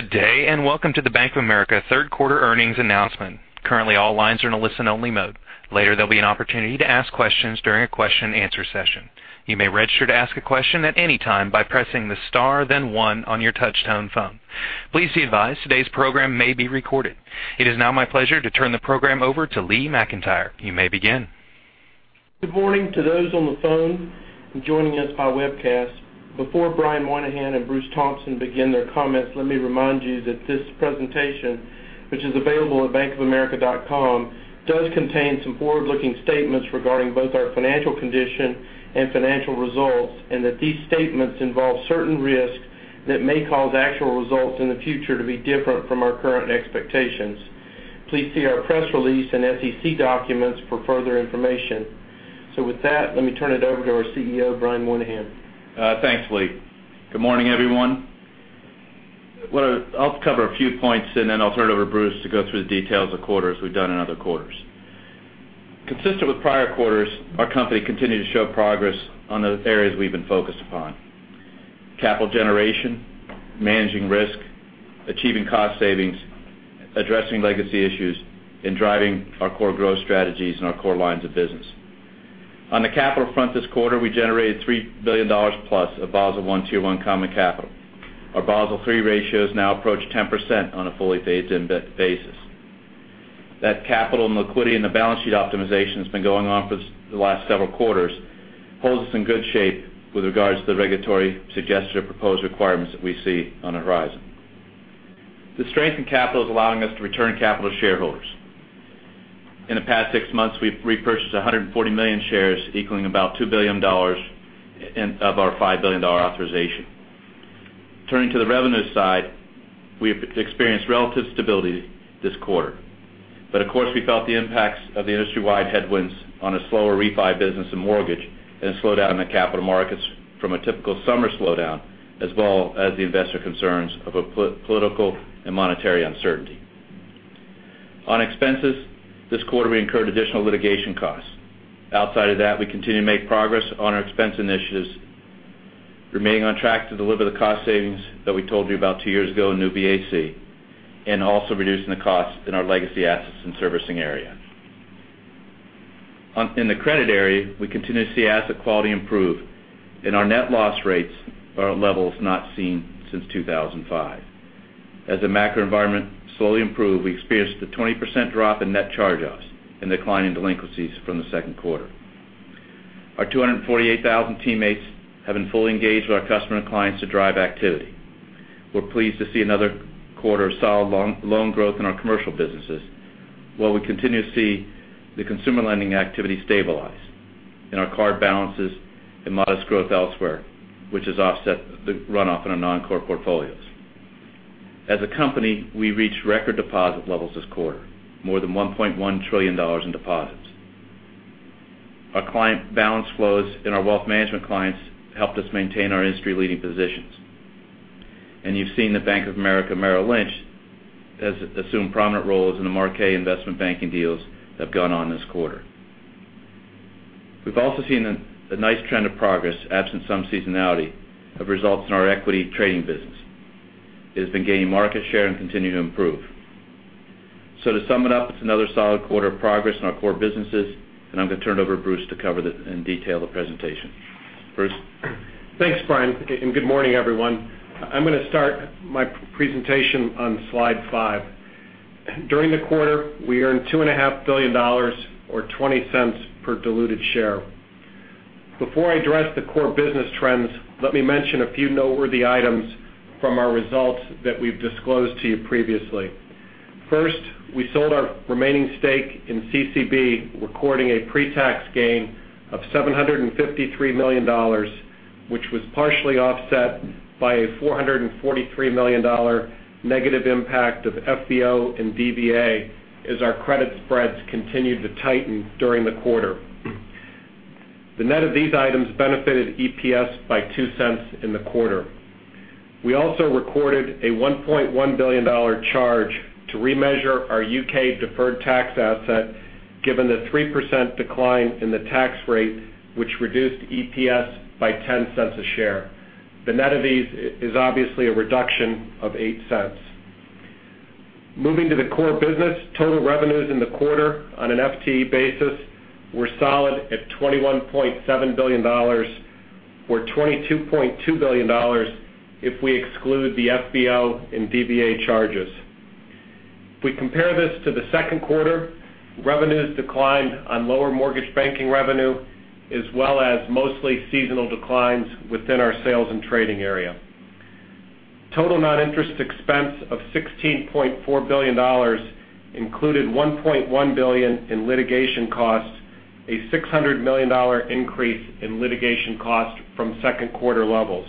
Good day. Welcome to the Bank of America third quarter earnings announcement. Currently, all lines are in a listen-only mode. Later, there'll be an opportunity to ask questions during a question-and-answer session. You may register to ask a question at any time by pressing the star then one on your touch-tone phone. Please be advised, today's program may be recorded. It is now my pleasure to turn the program over to Lee McEntire. You may begin. Good morning to those on the phone and joining us by webcast. Before Brian Moynihan and Bruce Thompson begin their comments, let me remind you that this presentation, which is available at bankofamerica.com, does contain some forward-looking statements regarding both our financial condition and financial results, and that these statements involve certain risks that may cause actual results in the future to be different from our current expectations. Please see our press release and SEC documents for further information. With that, let me turn it over to our CEO, Brian Moynihan. Thanks, Lee. Good morning, everyone. I'll cover a few points and then I'll turn it over to Bruce to go through the details of quarters we've done in other quarters. Consistent with prior quarters, our company continued to show progress on the areas we've been focused upon, capital generation, managing risk, achieving cost savings, addressing legacy issues, and driving our core growth strategies and our core lines of business. On the capital front this quarter, we generated $3 billion-plus of Basel I Tier 1 common capital. Our Basel III ratios now approach 10% on a fully phased-in basis. That capital and liquidity and the balance sheet optimization that's been going on for the last several quarters holds us in good shape with regards to the regulatory suggested or proposed requirements that we see on the horizon. The strength in capital is allowing us to return capital to shareholders. In the past six months, we've repurchased 140 million shares, equaling about $2 billion of our $5 billion authorization. Turning to the revenue side, we have experienced relative stability this quarter. Of course, we felt the impacts of the industry-wide headwinds on a slower refi business and mortgage and a slowdown in the capital markets from a typical summer slowdown, as well as the investor concerns of a political and monetary uncertainty. On expenses this quarter, we incurred additional litigation costs. Outside of that, we continue to make progress on our expense initiatives, remaining on track to deliver the cost savings that we told you about two years ago in New BAC, and also reducing the cost in our legacy assets and servicing area. In the credit area, we continue to see asset quality improve and our net loss rates are at levels not seen since 2005. As the macro environment slowly improved, we experienced a 20% drop in net charge-offs and declining delinquencies from the second quarter. Our 248,000 teammates have been fully engaged with our customer and clients to drive activity. We're pleased to see another quarter of solid loan growth in our commercial businesses, while we continue to see the consumer lending activity stabilize in our card balances and modest growth elsewhere, which has offset the runoff in our non-core portfolios. As a company, we reached record deposit levels this quarter, more than $1.1 trillion in deposits. Our client balance flows and our wealth management clients helped us maintain our industry-leading positions. You've seen that Bank of America Merrill Lynch has assumed prominent roles in the marquee investment banking deals that have gone on this quarter. We've also seen a nice trend of progress, absent some seasonality, of results in our equity trading business. It has been gaining market share and continuing to improve. To sum it up, it's another solid quarter of progress in our core businesses, and I'm going to turn it over to Bruce to cover and detail the presentation. Bruce? Thanks, Brian, and good morning, everyone. I'm going to start my presentation on slide five. During the quarter, we earned $2.5 billion, or $0.20 per diluted share. Before I address the core business trends, let me mention a few noteworthy items from our results that we've disclosed to you previously. First, we sold our remaining stake in CCB, recording a pre-tax gain of $753 million, which was partially offset by a $443 million negative impact of FVO and DVA as our credit spreads continued to tighten during the quarter. The net of these items benefited EPS by $0.02 in the quarter. We also recorded a $1.1 billion charge to remeasure our U.K. deferred tax asset, given the 3% decline in the tax rate, which reduced EPS by $0.10 a share. The net of these is obviously a reduction of $0.08. Moving to the core business, total revenues in the quarter on an FTE basis were solid at $21.7 billion, or $22.2 billion if we exclude the FVO and DVA charges. If we compare this to the second quarter, revenues declined on lower mortgage banking revenue, as well as mostly seasonal declines within our sales and trading area. Total non-interest expense of $16.4 billion included $1.1 billion in litigation costs, a $600 million increase in litigation costs from second quarter levels.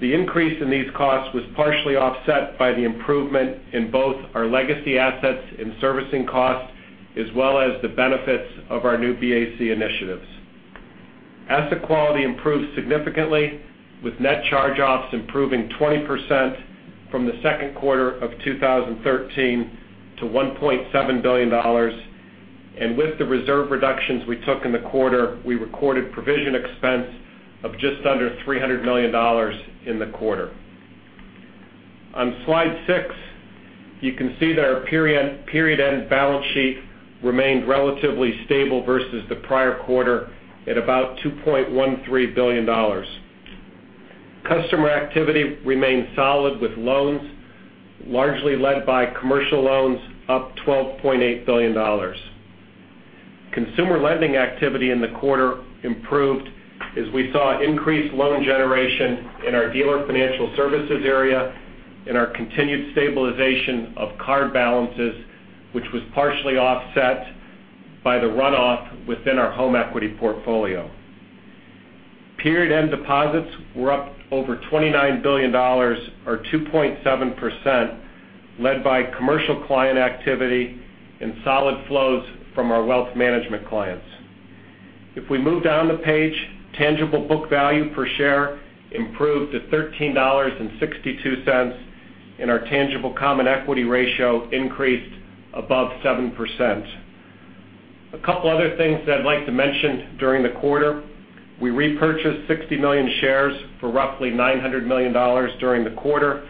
The increase in these costs was partially offset by the improvement in both our legacy assets and servicing costs, as well as the benefits of our New BAC initiatives. Asset quality improved significantly, with net charge-offs improving 20% from the second quarter of 2013 to $1.7 billion. With the reserve reductions we took in the quarter, we recorded provision expense of just under $300 million in the quarter. On slide six, you can see that our period-end balance sheet remained relatively stable versus the prior quarter at about $2.13 trillion. Customer activity remained solid with loans, largely led by commercial loans up $12.8 billion. Consumer lending activity in the quarter improved as we saw increased loan generation in our dealer financial services area, and our continued stabilization of card balances, which was partially offset by the runoff within our home equity portfolio. Period-end deposits were up over $29 billion, or 2.7%, led by commercial client activity and solid flows from our wealth management clients. If we move down the page, tangible book value per share improved to $13.62, and our tangible common equity ratio increased above 7%. A couple other things that I'd like to mention. During the quarter, we repurchased 60 million shares for roughly $900 million during the quarter.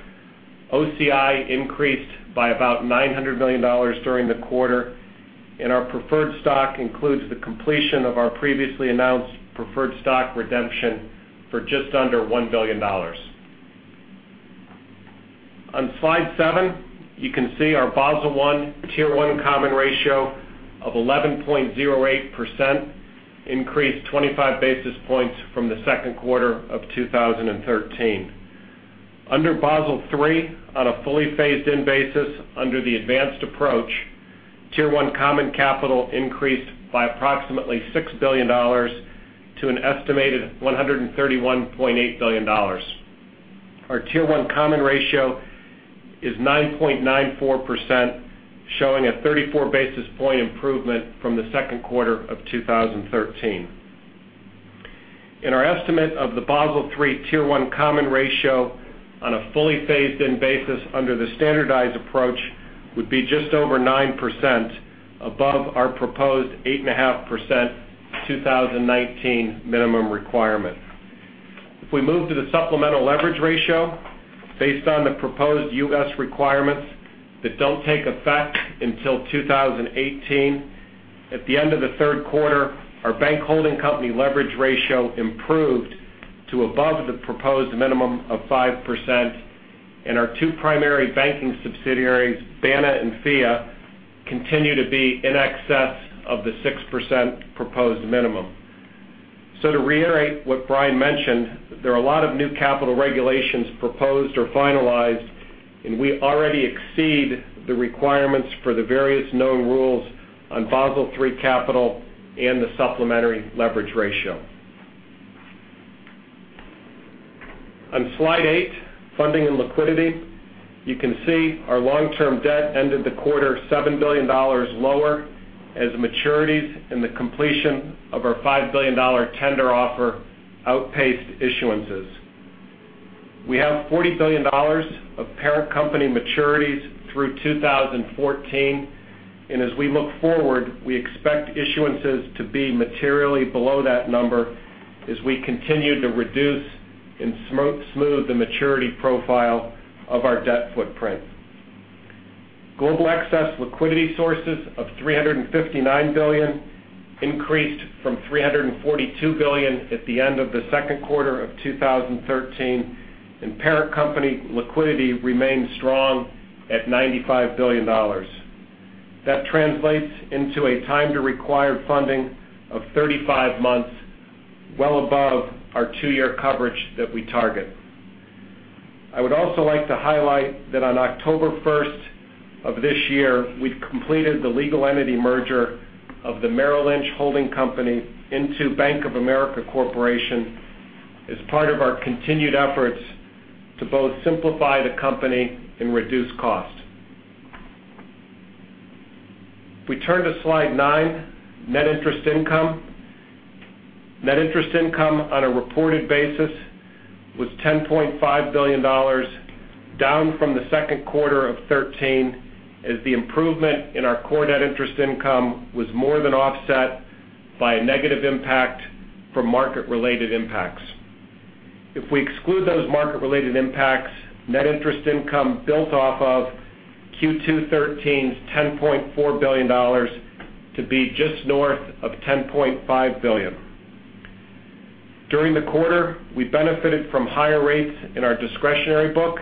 OCI increased by about $900 million during the quarter, and our preferred stock includes the completion of our previously announced preferred stock redemption for just under $1 billion. On slide seven, you can see our Basel I Tier 1 common ratio of 11.08% increased 25 basis points from the second quarter of 2013. Under Basel III, on a fully phased-in basis under the advanced approach, Tier 1 common capital increased by approximately $6 billion to an estimated $131.8 billion. Our Tier 1 common ratio is 9.94%, showing a 34 basis point improvement from the second quarter of 2013. Our estimate of the Basel III Tier 1 common ratio on a fully phased-in basis under the standardized approach would be just over 9%, above our proposed 8.5% 2019 minimum requirement. If we move to the supplemental leverage ratio, based on the proposed U.S. requirements that don't take effect until 2018, at the end of the third quarter, our bank holding company leverage ratio improved to above the proposed minimum of 5%, and our two primary banking subsidiaries, BANA and FIA, continue to be in excess of the 6% proposed minimum. To reiterate what Brian mentioned, there are a lot of new capital regulations proposed or finalized, and we already exceed the requirements for the various known rules on Basel III capital and the supplementary leverage ratio. On slide eight, funding and liquidity. We have $40 billion of parent company maturities through 2014, and as we look forward, we expect issuances to be materially below that number as we continue to reduce and smooth the maturity profile of our debt footprint. Global excess liquidity sources of $359 billion increased from $342 billion at the end of the second quarter of 2013, and parent company liquidity remains strong at $95 billion. That translates into a time to require funding of 35 months, well above our two-year coverage that we target. I would also like to highlight that on October 1st of this year, we've completed the legal entity merger of the Merrill Lynch holding company into Bank of America Corporation as part of our continued efforts to both simplify the company and reduce costs. If we turn to slide nine, net interest income. Net interest income on a reported basis was $10.5 billion, down from the second quarter of 2013, as the improvement in our core net interest income was more than offset by a negative impact from market-related impacts. If we exclude those market-related impacts, net interest income built off of Q2 2013's $10.4 billion to be just north of $10.5 billion. During the quarter, we benefited from higher rates in our discretionary book,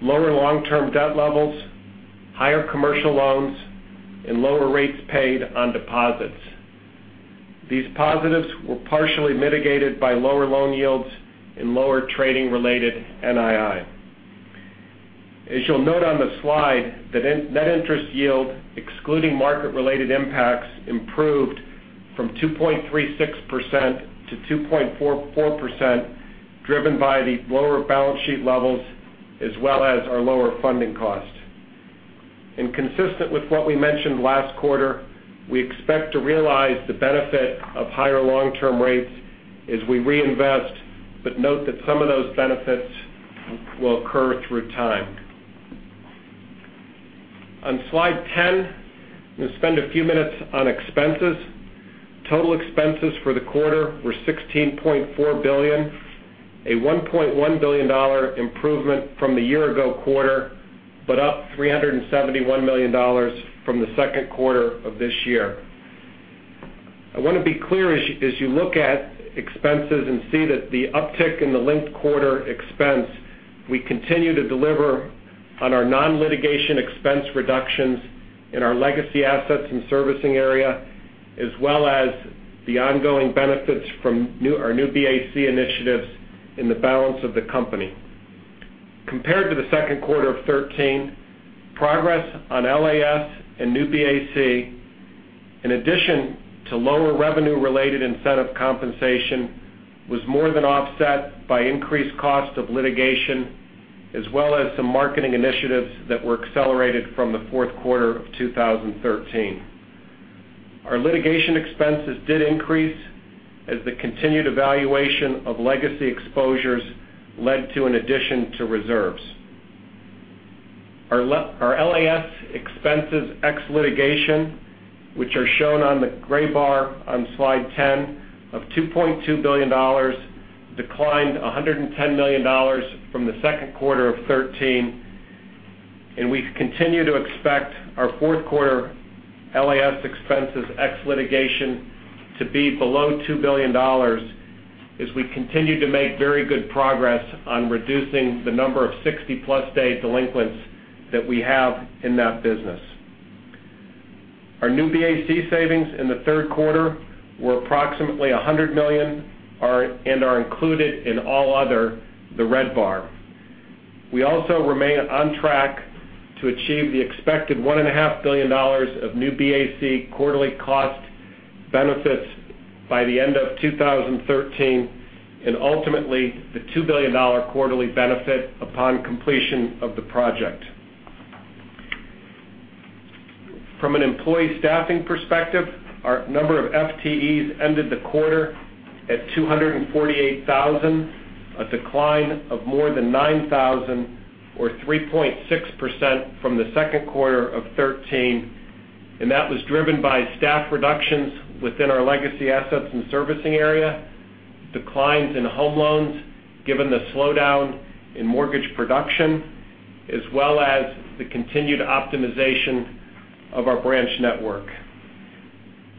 lower long-term debt levels, higher commercial loans, and lower rates paid on deposits. These positives were partially mitigated by lower loan yields and lower trading-related NII. As you'll note on the slide, the net interest yield, excluding market-related impacts, improved from 2.36% to 2.44%, driven by the lower balance sheet levels as well as our lower funding costs. Consistent with what we mentioned last quarter, we expect to realize the benefit of higher long-term rates as we reinvest, note that some of those benefits will occur through time. On Slide 10, I'm going to spend a few minutes on expenses. Total expenses for the quarter were $16.4 billion, a $1.1 billion improvement from the year ago quarter, but up $371 million from the second quarter of this year. I want to be clear, as you look at expenses and see that the uptick in the linked quarter expense, we continue to deliver on our non-litigation expense reductions in our legacy assets and servicing area, as well as the ongoing benefits from our New BAC initiatives in the balance of the company. Compared to the second quarter of 2013, progress on LAS and New BAC, in addition to lower revenue-related incentive compensation, was more than offset by increased cost of litigation, as well as some marketing initiatives that were accelerated from the fourth quarter of 2013. Our litigation expenses did increase as the continued evaluation of legacy exposures led to an addition to reserves. Our LAS expenses ex litigation, which are shown on the gray bar on Slide 10 of $2.2 billion, declined $110 million from the second quarter of 2013, and we continue to expect our fourth quarter LAS expenses ex litigation to be below $2 billion as we continue to make very good progress on reducing the number of 60-plus day delinquents that we have in that business. Our New BAC savings in the third quarter were approximately $100 million and are included in all other, the red bar. We also remain on track to achieve the expected $1.5 billion of New BAC quarterly cost benefits by the end of 2013, and ultimately, the $2 billion quarterly benefit upon completion of the project. From an employee staffing perspective, our number of FTEs ended the quarter at 248,000, a decline of more than 9,000 or 3.6% from the second quarter of 2013, and that was driven by staff reductions within our legacy assets and servicing area, declines in home loans given the slowdown in mortgage production, as well as the continued optimization of our branch network.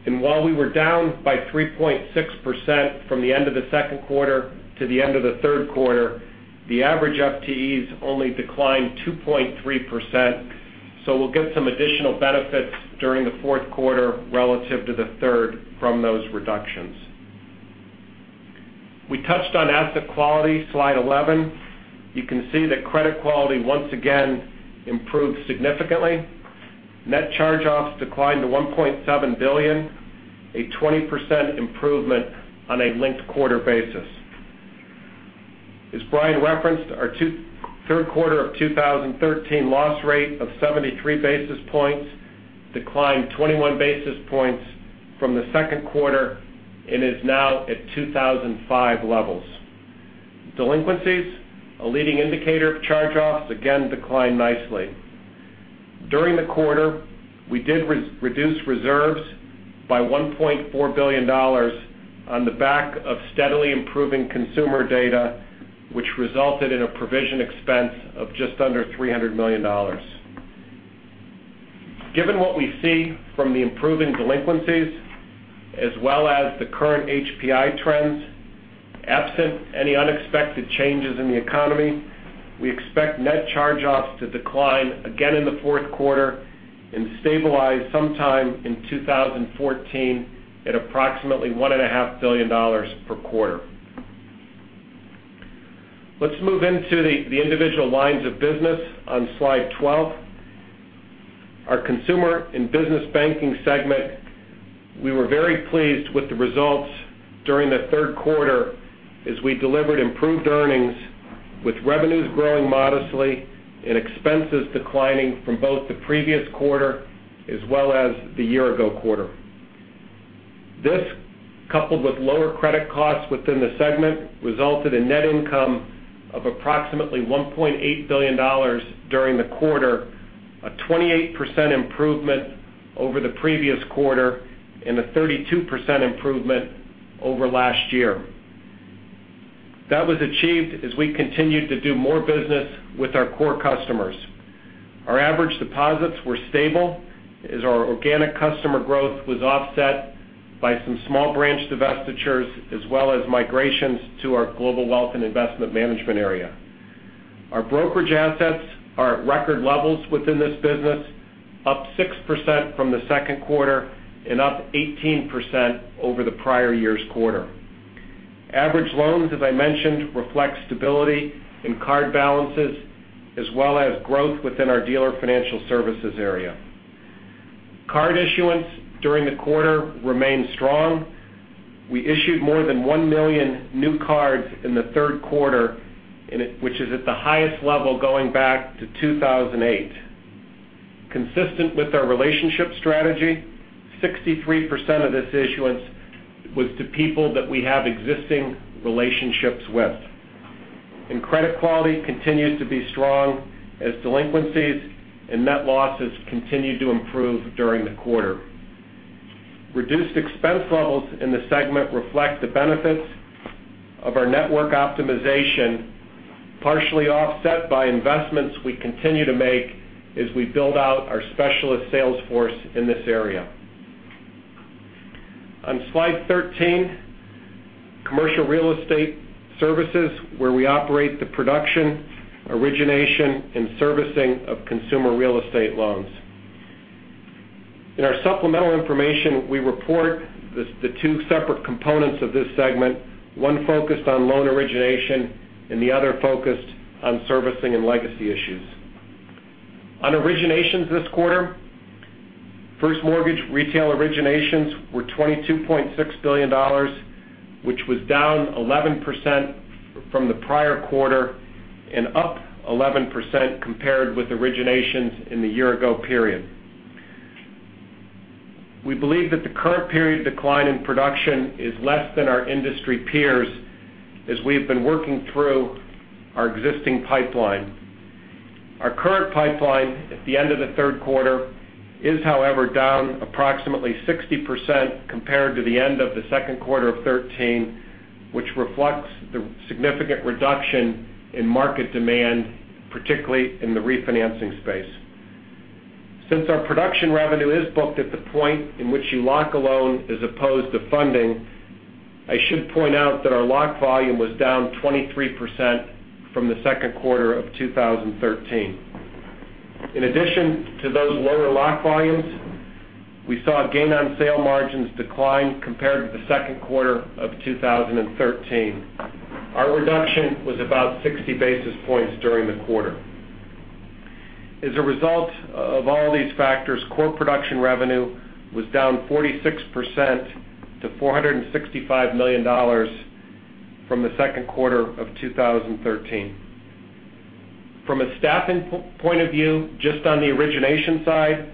While we were down by 3.6% from the end of the second quarter to the end of the third quarter, the average FTEs only declined 2.3%, so we'll get some additional benefits during the fourth quarter relative to the third from those reductions. We touched on asset quality, Slide 11. You can see that credit quality once again improved significantly. Net charge-offs declined to $1.7 billion, a 20% improvement on a linked-quarter basis. As Brian referenced, our third quarter of 2013 loss rate of 73 basis points declined 21 basis points from the second quarter and is now at 2005 levels. Delinquencies, a leading indicator of charge-offs, again declined nicely. During the quarter, we did reduce reserves by $1.4 billion on the back of steadily improving consumer data, which resulted in a provision expense of just under $300 million. Given what we see from the improving delinquencies as well as the current HPI trends, absent any unexpected changes in the economy, we expect net charge-offs to decline again in the fourth quarter and stabilize sometime in 2014 at approximately $1.5 billion per quarter. Let's move into the individual lines of business on Slide 12. Our consumer and business banking segment, we were very pleased with the results during the third quarter as we delivered improved earnings, with revenues growing modestly and expenses declining from both the previous quarter as well as the year-ago quarter. This, coupled with lower credit costs within the segment, resulted in net income of approximately $1.8 billion during the quarter, a 28% improvement over the previous quarter and a 32% improvement over last year. That was achieved as we continued to do more business with our core customers. Our average deposits were stable as our organic customer growth was offset by some small branch divestitures as well as migrations to our global wealth and investment management area. Our brokerage assets are at record levels within this business, up 6% from the second quarter and up 18% over the prior year's quarter. Average loans, as I mentioned, reflect stability in card balances as well as growth within our dealer financial services area. Card issuance during the quarter remained strong. We issued more than 1 million new cards in the third quarter, which is at the highest level going back to 2008. Consistent with our relationship strategy, 63% of this issuance was to people that we have existing relationships with. Credit quality continues to be strong as delinquencies and net losses continued to improve during the quarter. Reduced expense levels in the segment reflect the benefits of our network optimization, partially offset by investments we continue to make as we build out our specialist sales force in this area. On Slide 13, commercial real estate services, where we operate the production, origination, and servicing of consumer real estate loans. In our supplemental information, we report the two separate components of this segment, one focused on loan origination and the other focused on servicing and legacy issues. On originations this quarter, first mortgage retail originations were $22.6 billion, which was down 11% from the prior quarter, and up 11% compared with originations in the year-ago period. We believe that the current period decline in production is less than our industry peers, as we have been working through our existing pipeline. Our current pipeline at the end of the third quarter is, however, down approximately 60% compared to the end of the second quarter of 2013, which reflects the significant reduction in market demand, particularly in the refinancing space. Since our production revenue is booked at the point in which you lock a loan as opposed to funding, I should point out that our lock volume was down 23% from the second quarter of 2013. In addition to those lower lock volumes, we saw gain on sale margins decline compared to the second quarter of 2013. Our reduction was about 60 basis points during the quarter. As a result of all these factors, core production revenue was down 46% to $465 million from the second quarter of 2013. From a staffing point of view, just on the origination side,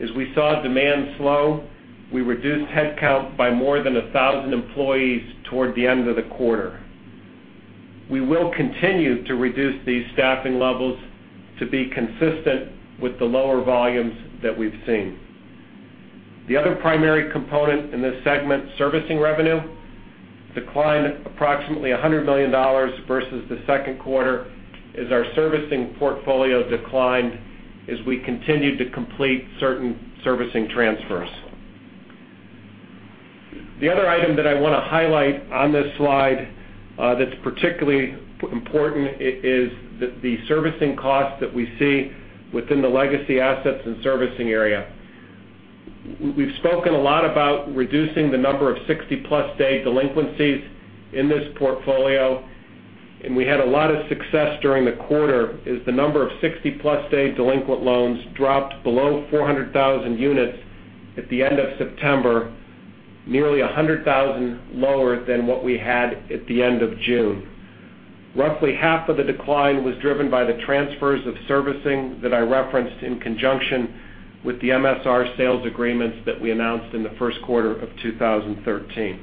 as we saw demand slow, we reduced headcount by more than 1,000 employees toward the end of the quarter. We will continue to reduce these staffing levels to be consistent with the lower volumes that we've seen. The other primary component in this segment, servicing revenue, declined approximately $100 million versus the second quarter as our servicing portfolio declined as we continued to complete certain servicing transfers. The other item that I want to highlight on this slide that's particularly important is the servicing costs that we see within the legacy assets and servicing area. We've spoken a lot about reducing the number of 60-plus day delinquencies in this portfolio, and we had a lot of success during the quarter as the number of 60-plus day delinquent loans dropped below 400,000 units at the end of September, nearly 100,000 lower than what we had at the end of June. Roughly half of the decline was driven by the transfers of servicing that I referenced in conjunction with the MSR sales agreements that we announced in the first quarter of 2013.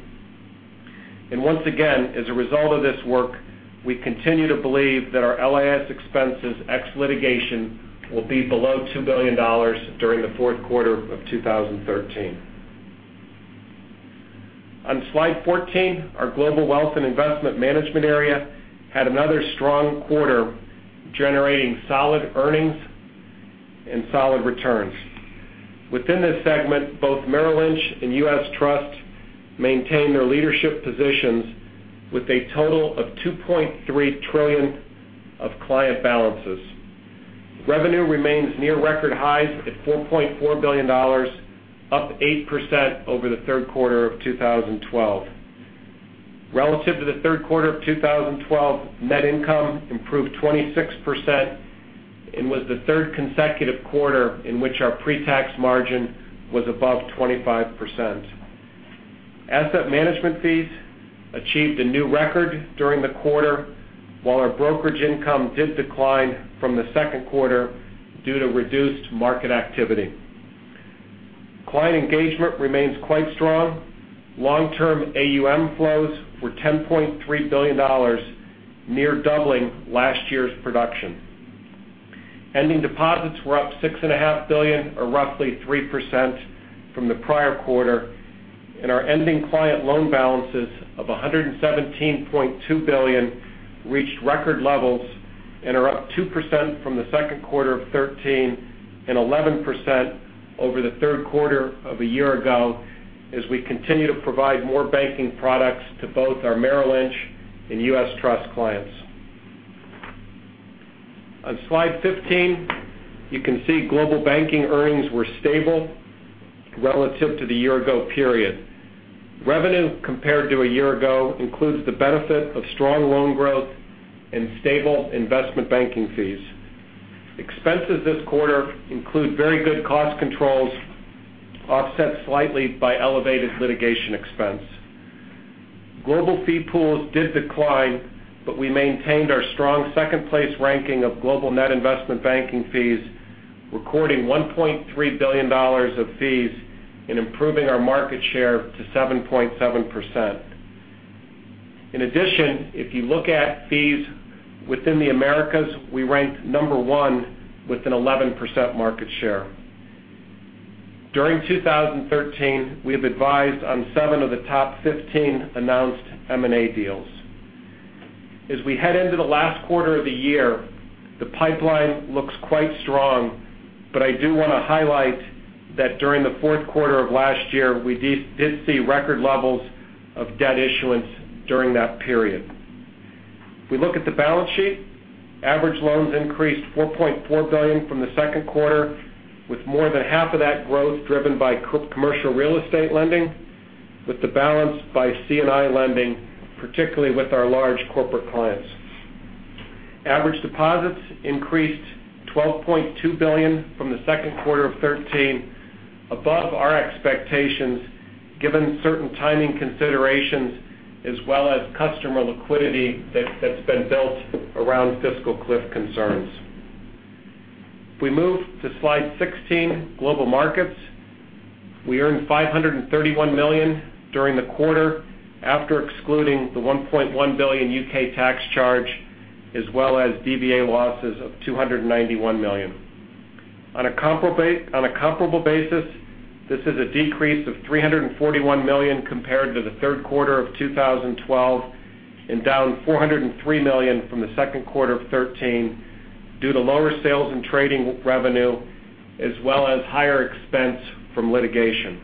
Once again, as a result of this work, we continue to believe that our LAS expenses ex litigation will be below $2 billion during the fourth quarter of 2013. On slide 14, our Global Wealth and Investment Management area had another strong quarter, generating solid earnings and solid returns. Within this segment, both Merrill Lynch and U.S. Trust maintain their leadership positions with a total of $2.3 trillion of client balances. Revenue remains near record highs at $4.4 billion, up 8% over the third quarter of 2012. Relative to the third quarter of 2012, net income improved 26% and was the third consecutive quarter in which our pre-tax margin was above 25%. Asset management fees achieved a new record during the quarter, while our brokerage income did decline from the second quarter due to reduced market activity. Client engagement remains quite strong. Long-term AUM flows were $10.3 billion, near doubling last year's production. Ending deposits were up $6.5 billion or roughly 3% from the prior quarter. Our ending client loan balances of $117.2 billion reached record levels and are up 2% from the second quarter of 2013 and 11% over the third quarter of a year ago as we continue to provide more banking products to both our Merrill Lynch and U.S. Trust clients. On slide 15, you can see Global Banking earnings were stable relative to the year ago period. Revenue compared to a year ago includes the benefit of strong loan growth and stable investment banking fees. Expenses this quarter include very good cost controls, offset slightly by elevated litigation expense. Global fee pools did decline. We maintained our strong number 2 ranking of global net investment banking fees, recording $1.3 billion of fees and improving our market share to 7.7%. In addition, if you look at fees within the Americas, we ranked number 1 with an 11% market share. During 2013, we have advised on 7 of the top 15 announced M&A deals. As we head into the last quarter of the year, the pipeline looks quite strong. I do want to highlight that during the fourth quarter of last year, we did see record levels of debt issuance during that period. If we look at the balance sheet, average loans increased to $4.4 billion from the second quarter, with more than half of that growth driven by commercial real estate lending, with the balance by C&I lending, particularly with our large corporate clients. Average deposits increased to $12.2 billion from the second quarter of 2013, above our expectations, given certain timing considerations, as well as customer liquidity that's been built around fiscal cliff concerns. If we move to slide 16, global markets. We earned $531 million during the quarter, after excluding the $1.1 billion U.K. tax charge, as well as DVA losses of $291 million. On a comparable basis, this is a decrease of $341 million compared to the third quarter of 2012, down $403 million from the second quarter of 2013, due to lower sales and trading revenue, as well as higher expense from litigation.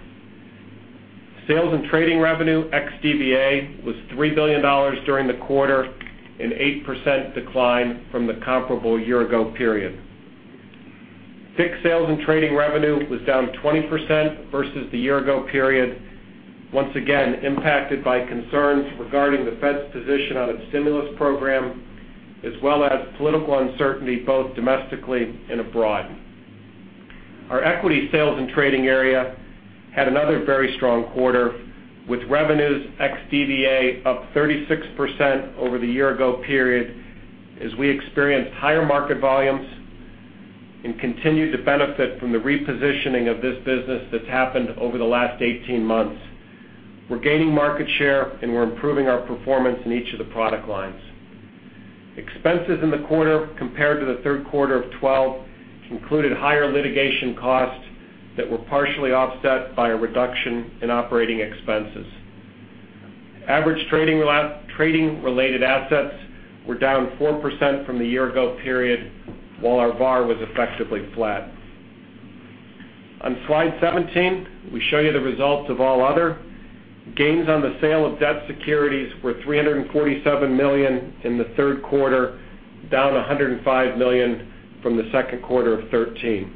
Sales and trading revenue ex-DVA was $3 billion during the quarter, an 8% decline from the comparable year-ago period. FICC sales and trading revenue was down 20% versus the year-ago period, once again impacted by concerns regarding the Fed's position on its stimulus program, as well as political uncertainty, both domestically and abroad. Our equity sales and trading area had another very strong quarter, with revenues ex-DVA up 36% over the year-ago period, as we experienced higher market volumes and continued to benefit from the repositioning of this business that's happened over the last 18 months. We're gaining market share and we're improving our performance in each of the product lines. Expenses in the quarter compared to the third quarter of 2012 included higher litigation costs that were partially offset by a reduction in operating expenses. Average trading-related assets were down 4% from the year-ago period, while our VaR was effectively flat. On slide 17, we show you the results of all other. Gains on the sale of debt securities were $347 million in the third quarter, down $105 million from the second quarter of 2013.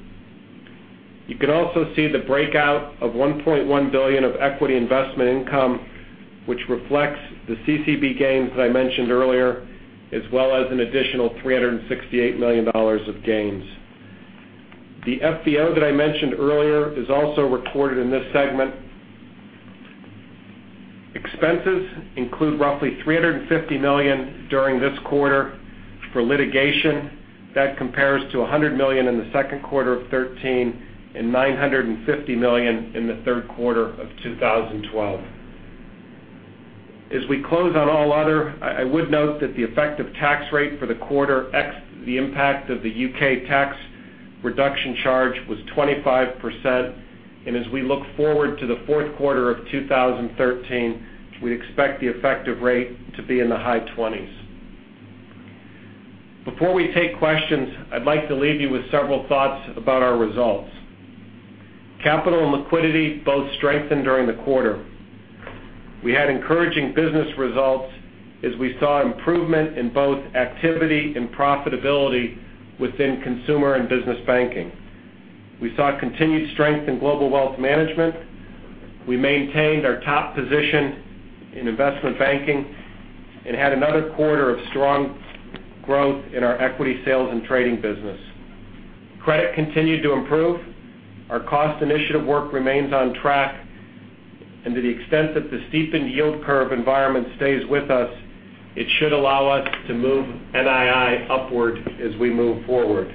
You can also see the breakout of $1.1 billion of equity investment income, which reflects the CCB gains that I mentioned earlier, as well as an additional $368 million of gains. The FVO that I mentioned earlier is also recorded in this segment. Expenses include roughly $350 million during this quarter for litigation. That compares to $100 million in the second quarter of 2013 and $950 million in the third quarter of 2012. As we close on all other, I would note that the effective tax rate for the quarter, ex the impact of the U.K. tax reduction charge, was 25%. As we look forward to the fourth quarter of 2013, we expect the effective rate to be in the high 20s. Before we take questions, I'd like to leave you with several thoughts about our results. Capital and liquidity both strengthened during the quarter. We had encouraging business results as we saw improvement in both activity and profitability within consumer and business banking. We saw continued strength in global wealth management. We maintained our top position in investment banking and had another quarter of strong growth in our equity sales and trading business. Credit continued to improve. Our cost initiative work remains on track, and to the extent that the steepened yield curve environment stays with us, it should allow us to move NII upward as we move forward.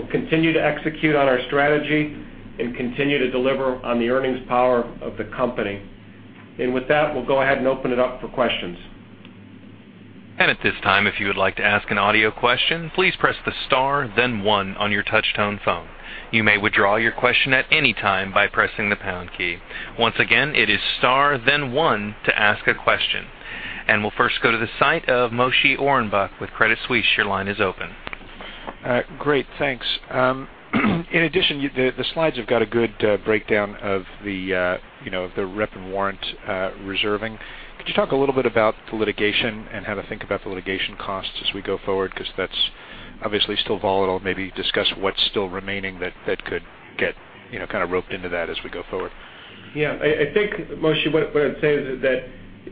We'll continue to execute on our strategy and continue to deliver on the earnings power of the company. With that, we'll go ahead and open it up for questions. At this time, if you would like to ask an audio question, please press the star, then 1 on your touch-tone phone. You may withdraw your question at any time by pressing the pound key. Once again, it is star, then 1 to ask a question. We'll first go to the site of Moshe Orenbuch with Credit Suisse. Your line is open. Great. Thanks. In addition, the slides have got a good breakdown of the rep and warrant reserving. Could you talk a little bit about the litigation and how to think about the litigation costs as we go forward? Because that's obviously still volatile. Maybe discuss what's still remaining that could get roped into that as we go forward. Yeah. I think, Moshe, what I'd say is that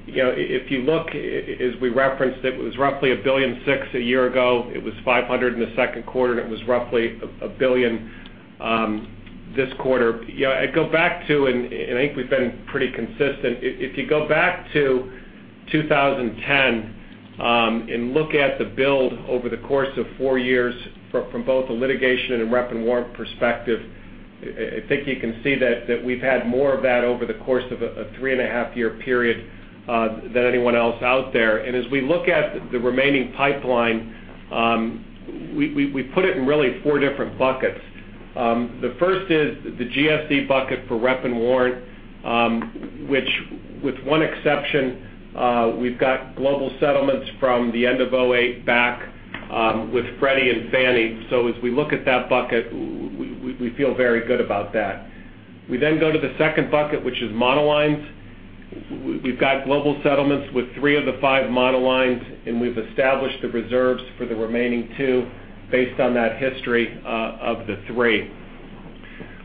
if you look, as we referenced, it was roughly $1.6 billion a year ago. It was $500 million in the second quarter, and it was roughly $1 billion this quarter. I go back to, I think we've been pretty consistent. If you go back to 2010, and look at the build over the course of four years from both a litigation and a rep and warrant perspective, I think you can see that we've had more of that over the course of a three and a half year period, than anyone else out there. As we look at the remaining pipeline, we put it in really four different buckets. The first is the GSE bucket for rep and warrant, which with one exception, we've got global settlements from the end of 2008 back with Freddie and Fannie. As we look at that bucket, we feel very good about that. We go to the second bucket, which is monolines. We've got global settlements with three of the five monolines, and we've established the reserves for the remaining two based on that history of the three.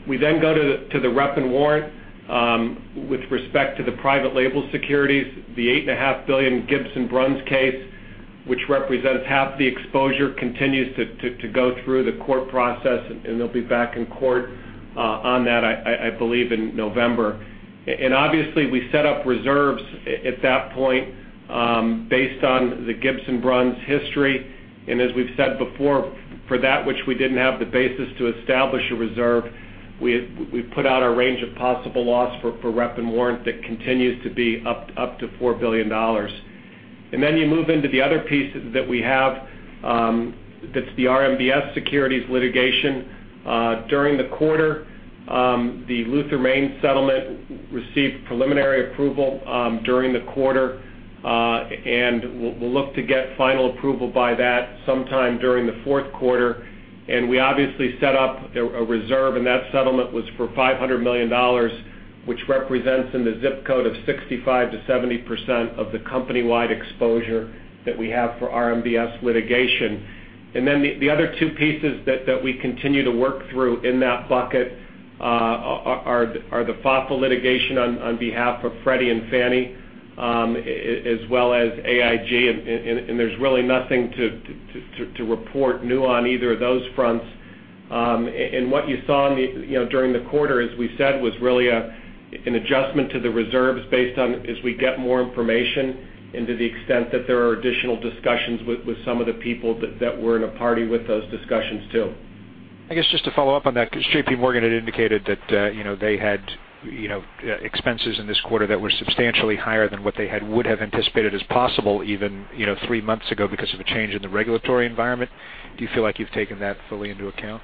We go to the rep and warrant, with respect to the private label securities. The $8.5 billion Gibbs & Bruns case, which represents half the exposure, continues to go through the court process, and they'll be back in court on that, I believe, in November. Obviously, we set up reserves at that point, based on the Gibbs & Bruns history. As we've said before, for that which we didn't have the basis to establish a reserve, we put out a range of possible loss for rep and warrant that continues to be up to $4 billion. You move into the other piece that we have, that's the RMBS securities litigation. During the quarter, the Luther and Maine settlement received preliminary approval during the quarter. We'll look to get final approval by that sometime during the fourth quarter. We obviously set up a reserve, and that settlement was for $500 million, which represents in the zip code of 65%-70% of the company-wide exposure that we have for RMBS litigation. The other two pieces that we continue to work through in that bucket are the FHFA litigation on behalf of Freddie and Fannie, as well as AIG, and there's really nothing to report new on either of those fronts. What you saw during the quarter, as we said, was really an adjustment to the reserves based on as we get more information and to the extent that there are additional discussions with some of the people that were in a party with those discussions, too. I guess just to follow up on that, because JPMorgan had indicated that they had expenses in this quarter that were substantially higher than what they would have anticipated as possible even three months ago because of a change in the regulatory environment. Do you feel like you've taken that fully into account?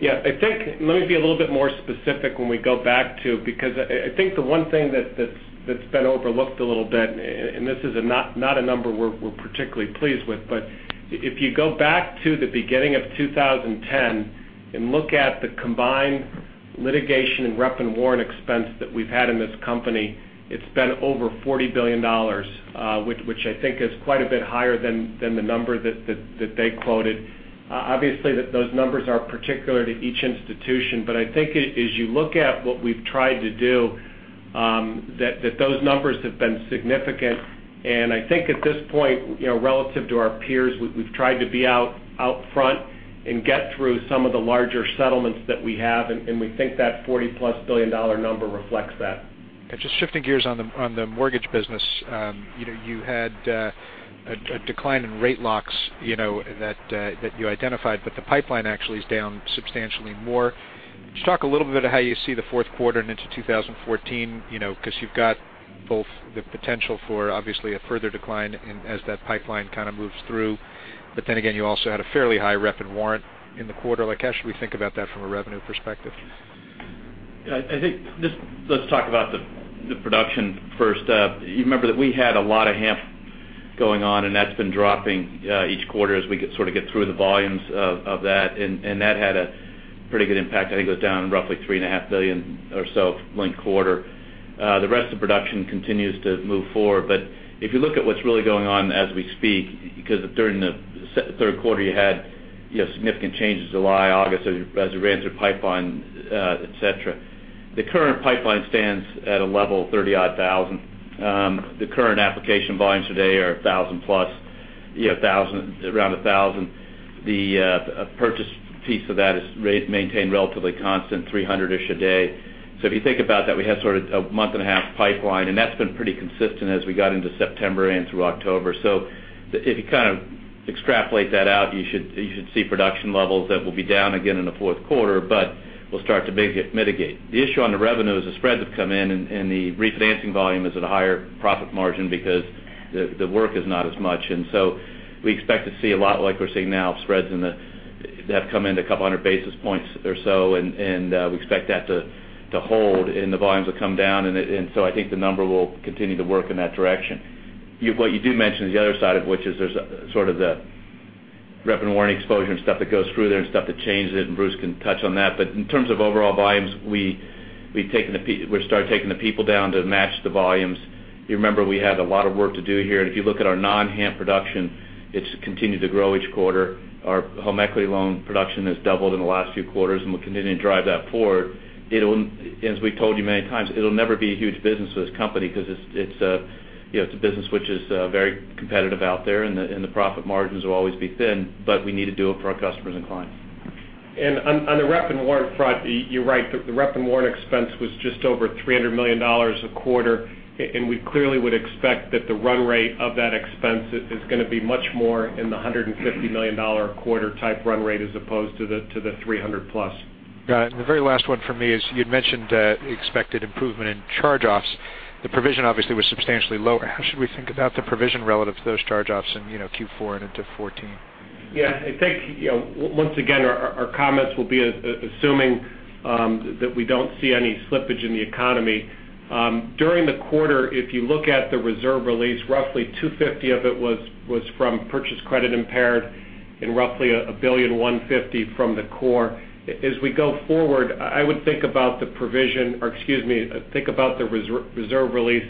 Yeah. Let me be a little bit more specific when we go back to it, because I think the one thing that's been overlooked a little bit, and this is not a number we're particularly pleased with, but if you go back to the beginning of 2010 and look at the combined litigation and rep and warrant expense that we've had in this company, it's been over $40 billion, which I think is quite a bit higher than the number that they quoted. Obviously, those numbers are particular to each institution. I think as you look at what we've tried to do, that those numbers have been significant. I think at this point, relative to our peers, we've tried to be out front and get through some of the larger settlements that we have, and we think that $40-plus billion number reflects that. Just shifting gears on the mortgage business. You had a decline in rate locks that you identified, but the pipeline actually is down substantially more. Could you talk a little bit of how you see the fourth quarter and into 2014, because you've got both the potential for obviously a further decline as that pipeline kind of moves through, but then again, you also had a fairly high rep and warrant in the quarter. How should we think about that from a revenue perspective? Let's talk about the production first. You remember that we had a lot of HAMP going on, and that's been dropping each quarter as we sort of get through the volumes of that, and that had a pretty good impact. I think it goes down roughly three and a half billion or so linked quarter. The rest of production continues to move forward. If you look at what's really going on as we speak, because during the third quarter, you had significant changes July, August, as you ran through pipeline, et cetera. The current pipeline stands at a level 30,000. The current application volumes today are around 1,000. The purchase piece of that is maintained relatively constant, 300-ish a day. If you think about that, we have sort of a month-and-a-half pipeline, and that's been pretty consistent as we got into September and through October. If you kind of extrapolate that out, you should see production levels that will be down again in the fourth quarter, but will start to mitigate. The issue on the revenue is the spreads have come in and the refinancing volume is at a higher profit margin because the work is not as much. We expect to see a lot like we're seeing now, spreads that have come in at a couple of hundred basis points or so, and we expect that to hold, and the volumes will come down. I think the number will continue to work in that direction. What you do mention is the other side of which is there's sort of the rep and warrant exposure and stuff that goes through there and stuff that changes it, and Bruce can touch on that. In terms of overall volumes, we've started taking the people down to match the volumes. You remember we had a lot of work to do here, and if you look at our non-HAMP production, it's continued to grow each quarter. Our home equity loan production has doubled in the last few quarters, and we'll continue to drive that forward. As we've told you many times, it'll never be a huge business for this company because it's a business which is very competitive out there, and the profit margins will always be thin, but we need to do it for our customers and clients. On the rep and warrant front, you're right. The rep and warrant expense was just over $300 million a quarter. We clearly would expect that the run rate of that expense is going to be much more in the $150 million a quarter type run rate as opposed to the 300-plus. Got it. The very last one from me is, you'd mentioned expected improvement in charge-offs. The provision obviously was substantially lower. How should we think about the provision relative to those charge-offs in Q4 and into 2014? I think, once again, our comments will be assuming that we don't see any slippage in the economy. During the quarter, if you look at the reserve release, roughly $250 million of it was from purchase credit impaired and roughly $1.15 billion from the core. As we go forward, I would think about the reserve release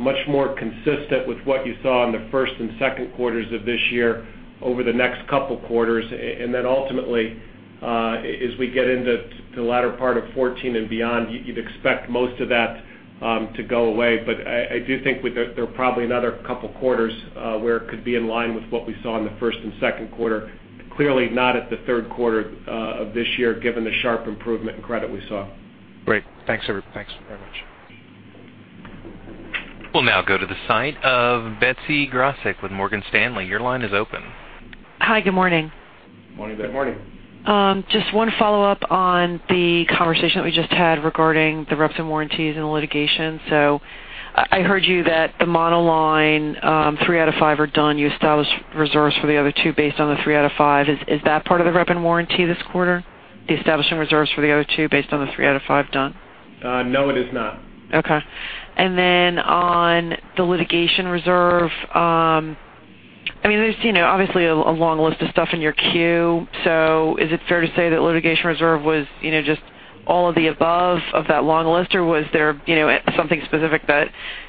much more consistent with what you saw in the first and second quarters of this year over the next couple of quarters. Then ultimately, as we get into the latter part of 2014 and beyond, you'd expect most of that to go away. I do think there are probably another couple of quarters where it could be in line with what we saw in the first and second quarter. Clearly, not at the third quarter of this year, given the sharp improvement in credit we saw. Great. Thanks very much. We'll now go to the line of Betsy Graseck with Morgan Stanley. Your line is open. Hi, good morning. Morning, Betsy. Good morning. Just one follow-up on the conversation that we just had regarding the reps and warranties and the litigation. I heard you that the monoline three out of five are done. You established reserves for the other two based on the three out of five. Is that part of the rep and warranty this quarter, the establishing reserves for the other two based on the three out of five done? No, it is not. Okay. On the litigation reserve, there's obviously a long list of stuff in your queue. Is it fair to say that litigation reserve was just all of the above of that long list, or was there something specific that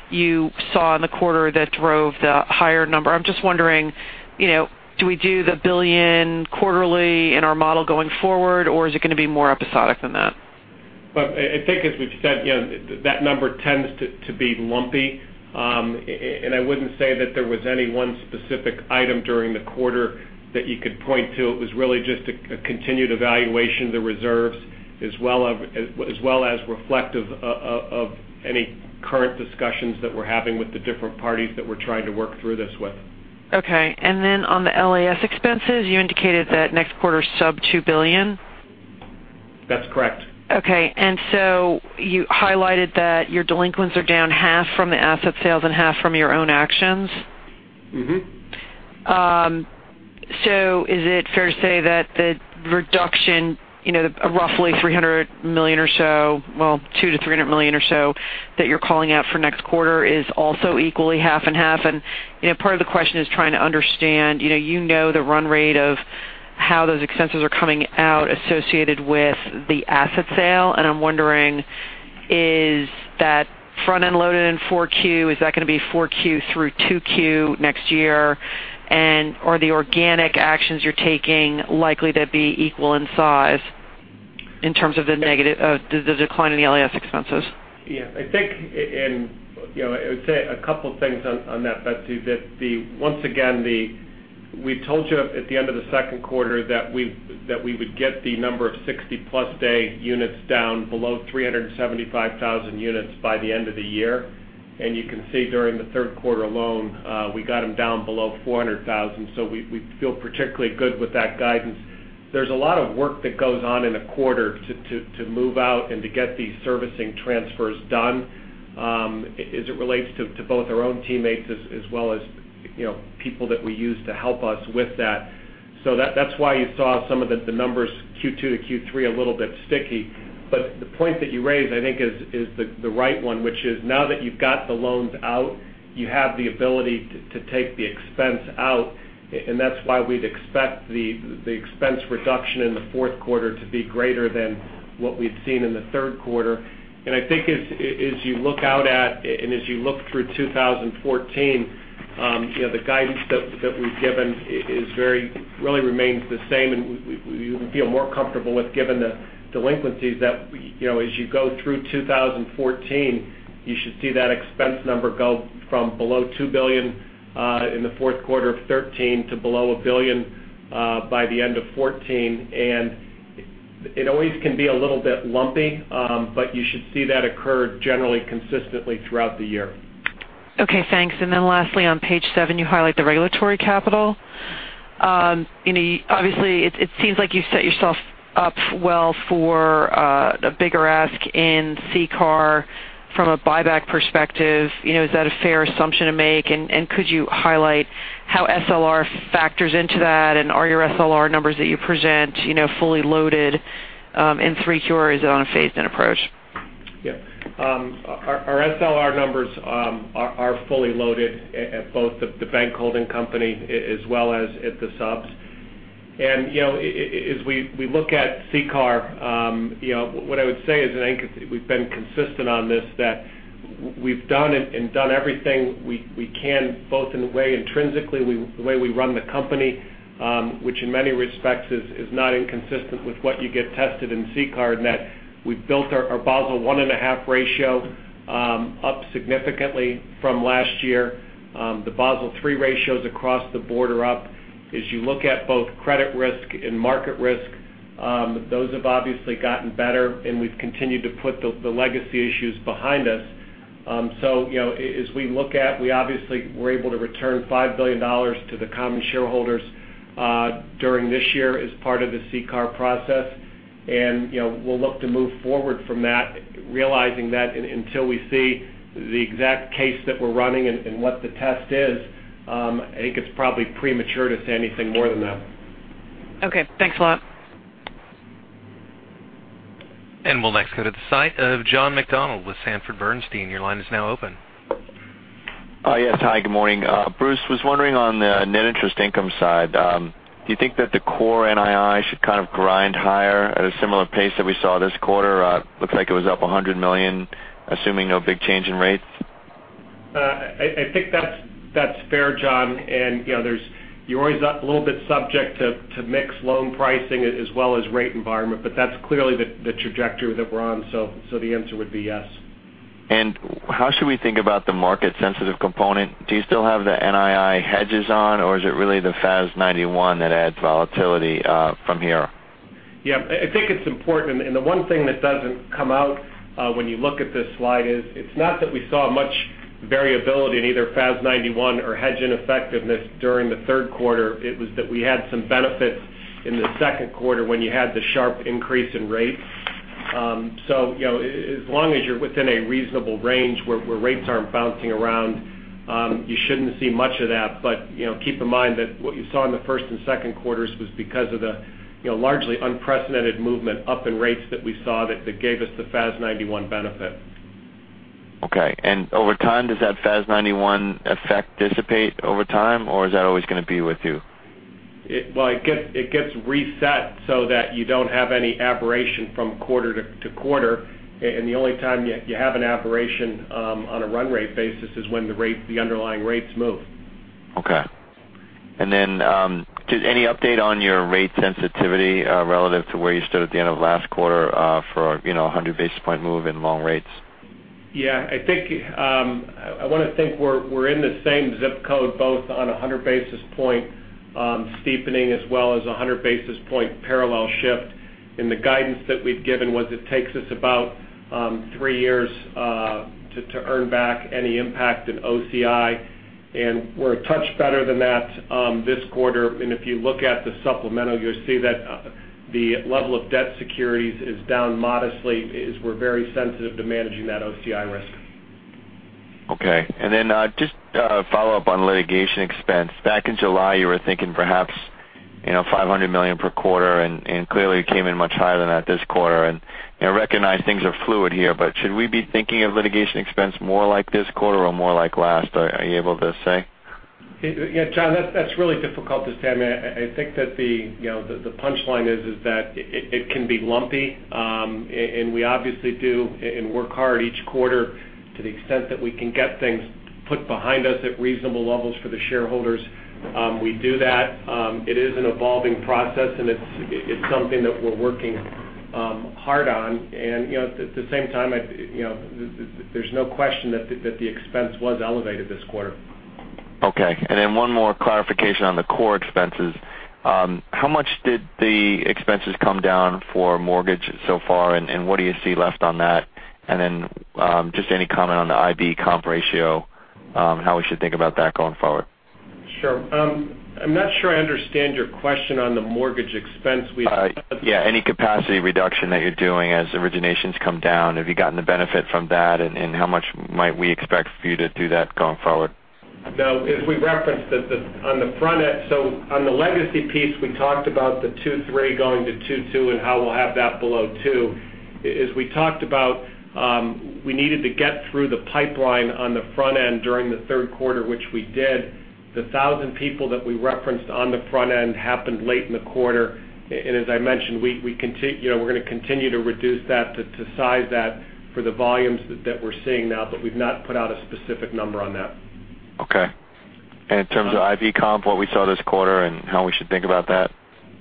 you saw in the quarter that drove the higher number? I'm just wondering, do we do the $1 billion quarterly in our model going forward, or is it going to be more episodic than that? I think as we've said, that number tends to be lumpy. I wouldn't say that there was any one specific item during the quarter that you could point to. It was really just a continued evaluation of the reserves as well as reflective of any current discussions that we're having with the different parties that we're trying to work through this with. Okay. On the LAS expenses, you indicated that next quarter sub $2 billion? That's correct. Okay. You highlighted that your delinquents are down half from the asset sales and half from your own actions. Is it fair to say that the reduction of roughly $300 million or so, $200 million to $300 million or so that you're calling out for next quarter is also equally half and half? Part of the question is trying to understand, you know the run rate of how those expenses are coming out associated with the asset sale. I'm wondering, is that front-end loaded in 4Q, is that going to be 4Q through 2Q next year? Are the organic actions you're taking likely to be equal in size in terms of the decline in the LAS expenses? I would say a couple things on that, Betsy. Once again, we told you at the end of the second quarter that we would get the number of 60-plus day units down below 375,000 units by the end of the year. You can see during the third quarter alone, we got them down below 400,000. We feel particularly good with that guidance. There's a lot of work that goes on in a quarter to move out and to get these servicing transfers done as it relates to both our own teammates as well as people that we use to help us with that. That's why you saw some of the numbers Q2 to Q3 a little bit sticky. The point that you raise, I think, is the right one, which is now that you've got the loans out, you have the ability to take the expense out. That's why we'd expect the expense reduction in the fourth quarter to be greater than what we'd seen in the third quarter. I think as you look out at and look through 2014, the guidance that we've given really remains the same. We feel more comfortable with given the delinquencies that as you go through 2014, you should see that expense number go from below $2 billion in the fourth quarter of 2013 to below $1 billion by the end of 2014. It always can be a little bit lumpy, you should see that occur generally consistently throughout the year. Okay, thanks. Then lastly, on page seven, you highlight the regulatory capital. Obviously, it seems like you've set yourself up well for a bigger ask in CCAR from a buyback perspective. Is that a fair assumption to make? Could you highlight how SLR factors into that? Are your SLR numbers that you present fully loaded in 3Q, or is it on a phased-in approach? Yeah. Our SLR numbers are fully loaded at both the bank holding company as well as at the subs. As we look at CCAR, what I would say is, and I think we've been consistent on this, that we've done it and done everything we can, both in the way intrinsically, the way we run the company, which in many respects is not inconsistent with what you get tested in CCAR, in that we've built our Basel I.5 ratio up significantly from last year. The Basel III ratios across the board are up. As you look at both credit risk and market risk, those have obviously gotten better, and we've continued to put the legacy issues behind us. As we look at, we obviously were able to return $5 billion to the common shareholders during this year as part of the CCAR process. We'll look to move forward from that, realizing that until we see the exact case that we're running and what the test is, I think it's probably premature to say anything more than that. Okay. Thanks a lot. We'll next go to the site of John McDonald with Sanford Bernstein. Your line is now open. Yes. Hi, good morning. Bruce, was wondering on the net interest income side, do you think that the core NII should kind of grind higher at a similar pace that we saw this quarter? Looks like it was up $100 million, assuming no big change in rates. I think that's fair, John. You're always a little bit subject to mix loan pricing as well as rate environment, that's clearly the trajectory that we're on. The answer would be yes. How should we think about the market-sensitive component? Do you still have the NII hedges on, or is it really the FAS 91 that adds volatility from here? Yeah, I think it's important. The one thing that doesn't come out when you look at this slide is, it's not that we saw much variability in either FAS 91 or hedge in effectiveness during the third quarter. It was that we had some benefits in the second quarter when you had the sharp increase in rates. As long as you're within a reasonable range where rates aren't bouncing around, you shouldn't see much of that. Keep in mind that what you saw in the first and second quarters was because of the largely unprecedented movement up in rates that we saw that gave us the FAS 91 benefit. Okay. Over time, does that FAS 91 effect dissipate over time, or is that always going to be with you? Well, it gets reset so that you don't have any aberration from quarter to quarter. The only time you have an aberration on a run rate basis is when the underlying rates move. Okay. Any update on your rate sensitivity relative to where you stood at the end of last quarter for 100 basis point move in long rates? Yeah, I want to think we're in the same zip code, both on 100 basis point steepening as well as 100 basis point parallel shift. The guidance that we've given was it takes us about three years to earn back any impact in OCI, and we're a touch better than that this quarter. If you look at the supplemental, you'll see that the level of debt securities is down modestly, as we're very sensitive to managing that OCI risk. Okay. Just a follow-up on litigation expense. Back in July, you were thinking perhaps $500 million per quarter, clearly it came in much higher than that this quarter. I recognize things are fluid here, should we be thinking of litigation expense more like this quarter or more like last? Are you able to say? Yeah, John, that's really difficult to say. I think that the punchline is that it can be lumpy. We obviously do and work hard each quarter to the extent that we can get things put behind us at reasonable levels for the shareholders. We do that. It is an evolving process, it's something that we're working hard on. At the same time, there's no question that the expense was elevated this quarter. Okay. One more clarification on the core expenses. How much did the expenses come down for mortgage so far, what do you see left on that? Just any comment on the IB comp ratio, how we should think about that going forward? Sure. I'm not sure I understand your question on the mortgage expense. Yeah, any capacity reduction that you're doing as originations come down, have you gotten the benefit from that? How much might we expect for you to do that going forward? No. As we referenced on the front end, on the legacy piece, we talked about the two three going to two two and how we'll have that below two. As we talked about, we needed to get through the pipeline on the front end during the third quarter, which we did. The 1,000 people that we referenced on the front end happened late in the quarter. As I mentioned, we're going to continue to reduce that to size that for the volumes that we're seeing now, we've not put out a specific number on that. Okay. In terms of IB comp, what we saw this quarter and how we should think about that?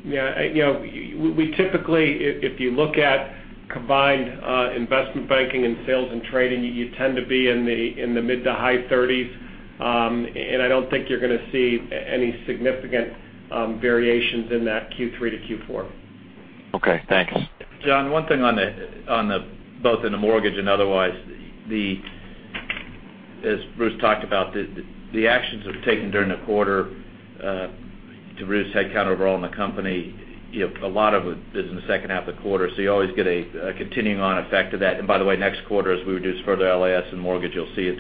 Yeah. We typically, if you look at combined investment banking and sales and trading, you tend to be in the mid to high 30s. I don't think you're going to see any significant variations in that Q3 to Q4. Okay, thanks. John, one thing both in the mortgage and otherwise, as Bruce talked about, the actions that we've taken during the quarter to reduce headcount overall in the company, a lot of it is in the second half of the quarter. You always get a continuing on effect of that. By the way, next quarter, as we reduce further LAS and mortgage, you'll see it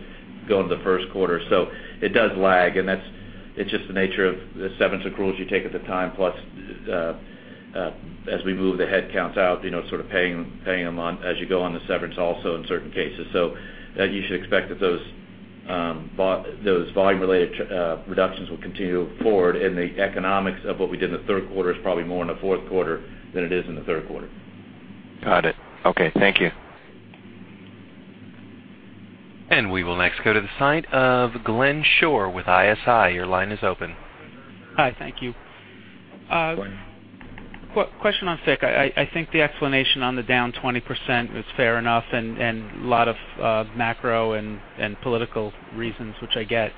go into the first quarter. It does lag, and it's just the nature of the severance accruals you take at the time, plus as we move the headcounts out, sort of paying them on as you go on the severance also in certain cases. You should expect that those Those volume-related reductions will continue forward, the economics of what we did in the third quarter is probably more in the fourth quarter than it is in the third quarter. Got it. Okay. Thank you. We will next go to the site of Glenn Schorr with ISI. Your line is open. Hi. Thank you. Glenn. Question on FICC. I think the explanation on the down 20% is fair enough and a lot of macro and political reasons, which I get.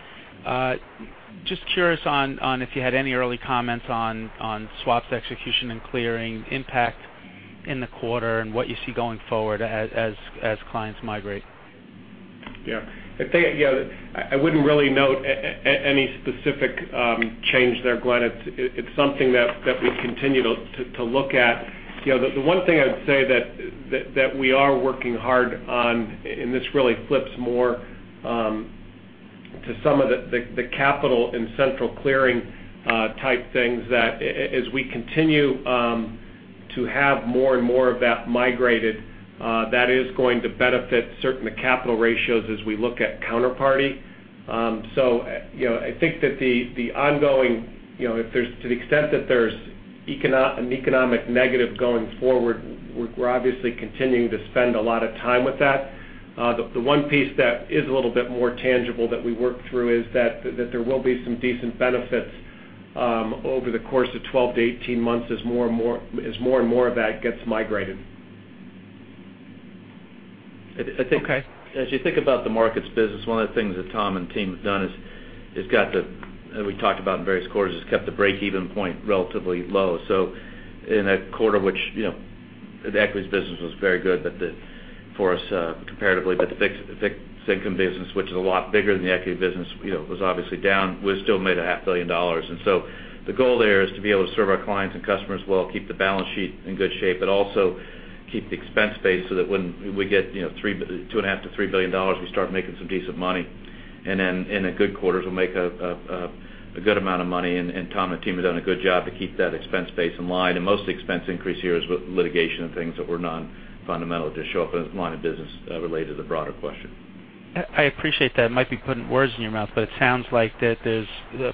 Just curious on if you had any early comments on swaps execution and clearing impact in the quarter and what you see going forward as clients migrate. Yeah. I wouldn't really note any specific change there, Glenn Schorr. It's something that we continue to look at. The one thing I'd say that we are working hard on, this really flips more to some of the capital and central clearing type things, that as we continue to have more and more of that migrated, that is going to benefit certain capital ratios as we look at counterparty. I think that to the extent that there's an economic negative going forward, we're obviously continuing to spend a lot of time with that. The one piece that is a little bit more tangible that we worked through is that there will be some decent benefits over the course of 12 to 18 months as more and more of that gets migrated. Okay. As you think about the markets business, one of the things that Tom and team have done is, and we've talked about in various quarters, is kept the break-even point relatively low. In a quarter which the equities business was very good for us comparatively, but the fixed income business, which is a lot bigger than the equity business, was obviously down. We still made a half billion dollars. The goal there is to be able to serve our clients and customers well, keep the balance sheet in good shape, but also keep the expense base so that when we get two and a half billion dollars to $3 billion, we start making some decent money. In the good quarters, we'll make a good amount of money, and Tom and team have done a good job to keep that expense base in line. Most of the expense increase here is with litigation and things that were non-fundamental to show up in the line of business related to the broader question. I appreciate that. Might be putting words in your mouth, but it sounds like that there's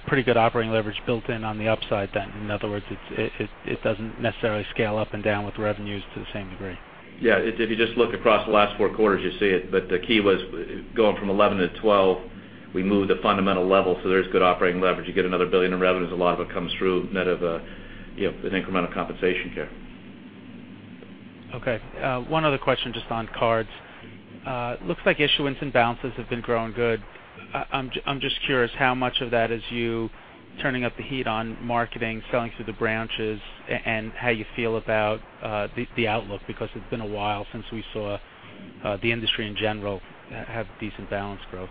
pretty good operating leverage built in on the upside then. In other words, it doesn't necessarily scale up and down with revenues to the same degree. Yeah. If you just look across the last four quarters, you see it. The key was going from 2011 to 2012, we moved a fundamental level, so there's good operating leverage. You get another $1 billion in revenues, a lot of it comes through net of an incremental compensation here. Okay. One other question, just on cards. Looks like issuance and balances have been growing good. I'm just curious how much of that is you turning up the heat on marketing, selling through the branches, and how you feel about the outlook, because it's been a while since we saw the industry in general have decent balance growth.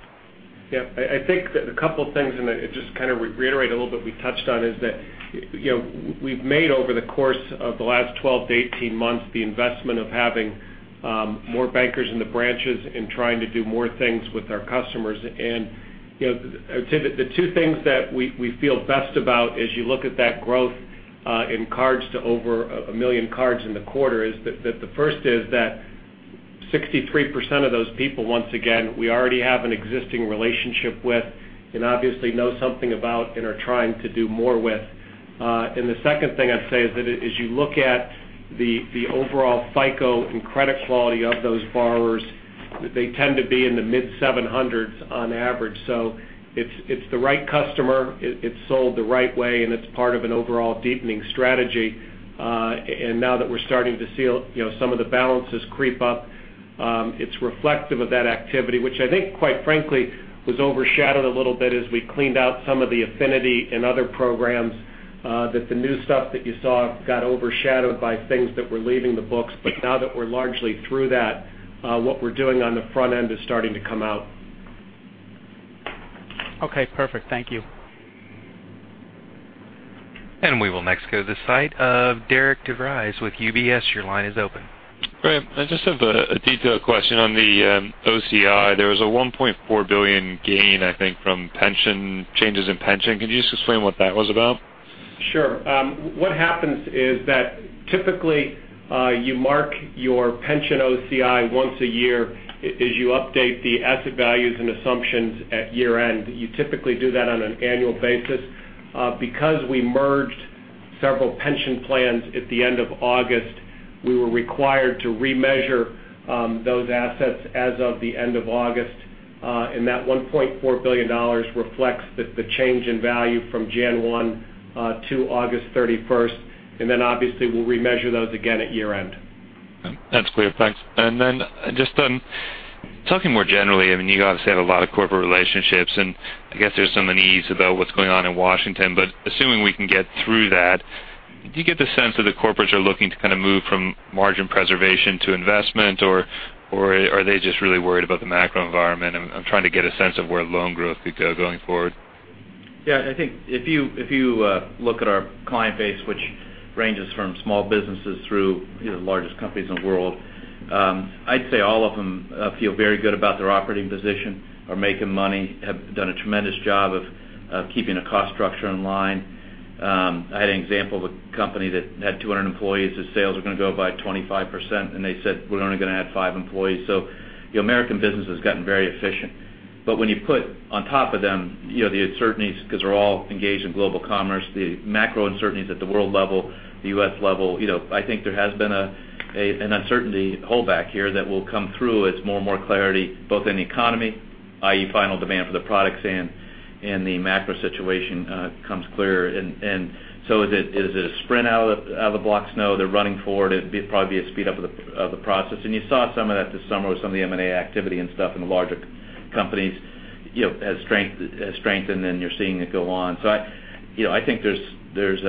Yeah, I think that a couple things, and just to kind of reiterate a little bit we touched on, is that we've made over the course of the last 12-18 months, the investment of having more bankers in the branches and trying to do more things with our customers. I would say that the two things that we feel best about as you look at that growth in cards to over 1 million cards in the quarter, is that the first is that 63% of those people, once again, we already have an existing relationship with and obviously know something about and are trying to do more with. The second thing I'd say is that as you look at the overall FICO and credit quality of those borrowers, they tend to be in the mid-700s on average. It's the right customer, it's sold the right way, and it's part of an overall deepening strategy. Now that we're starting to see some of the balances creep up, it's reflective of that activity, which I think, quite frankly, was overshadowed a little bit as we cleaned out some of the affinity and other programs that the new stuff that you saw got overshadowed by things that were leaving the books. Now that we're largely through that, what we're doing on the front end is starting to come out. Okay, perfect. Thank you. We will next go to the site of Derek De Vries with UBS. Your line is open. Brian, I just have a detailed question on the OCI. There was a $1.4 billion gain, I think, from changes in pension. Could you just explain what that was about? Sure. What happens is that typically, you mark your pension OCI once a year as you update the asset values and assumptions at year-end. You typically do that on an annual basis. Because we merged several pension plans at the end of August, we were required to remeasure those assets as of the end of August. That $1.4 billion reflects the change in value from January 1 to August 31st. Obviously, we'll remeasure those again at year-end. That's clear. Thanks. Just talking more generally, you obviously have a lot of corporate relationships, and I guess there's some unease about what's going on in Washington, but assuming we can get through that, do you get the sense that the corporates are looking to move from margin preservation to investment, or are they just really worried about the macro environment? I'm trying to get a sense of where loan growth could go going forward. Yeah, I think if you look at our client base, which ranges from small businesses through the largest companies in the world, I'd say all of them feel very good about their operating position, are making money, have done a tremendous job of keeping the cost structure in line. I had an example of a company that had 200 employees, whose sales were going to go by 25%, and they said, "We're only going to add five employees." American business has gotten very efficient. When you put on top of them the uncertainties, because we're all engaged in global commerce, the macro uncertainties at the world level, the U.S. level, I think there has been an uncertainty holdback here that will come through as more and more clarity, both in the economy, i.e., final demand for the products and the macro situation becomes clearer. Is it a sprint out of the blocks? No, they're running for it. It'd probably be a speed up of the process. You saw some of that this summer with some of the M&A activity and stuff in the larger companies as strength, then you're seeing it go on. I think there's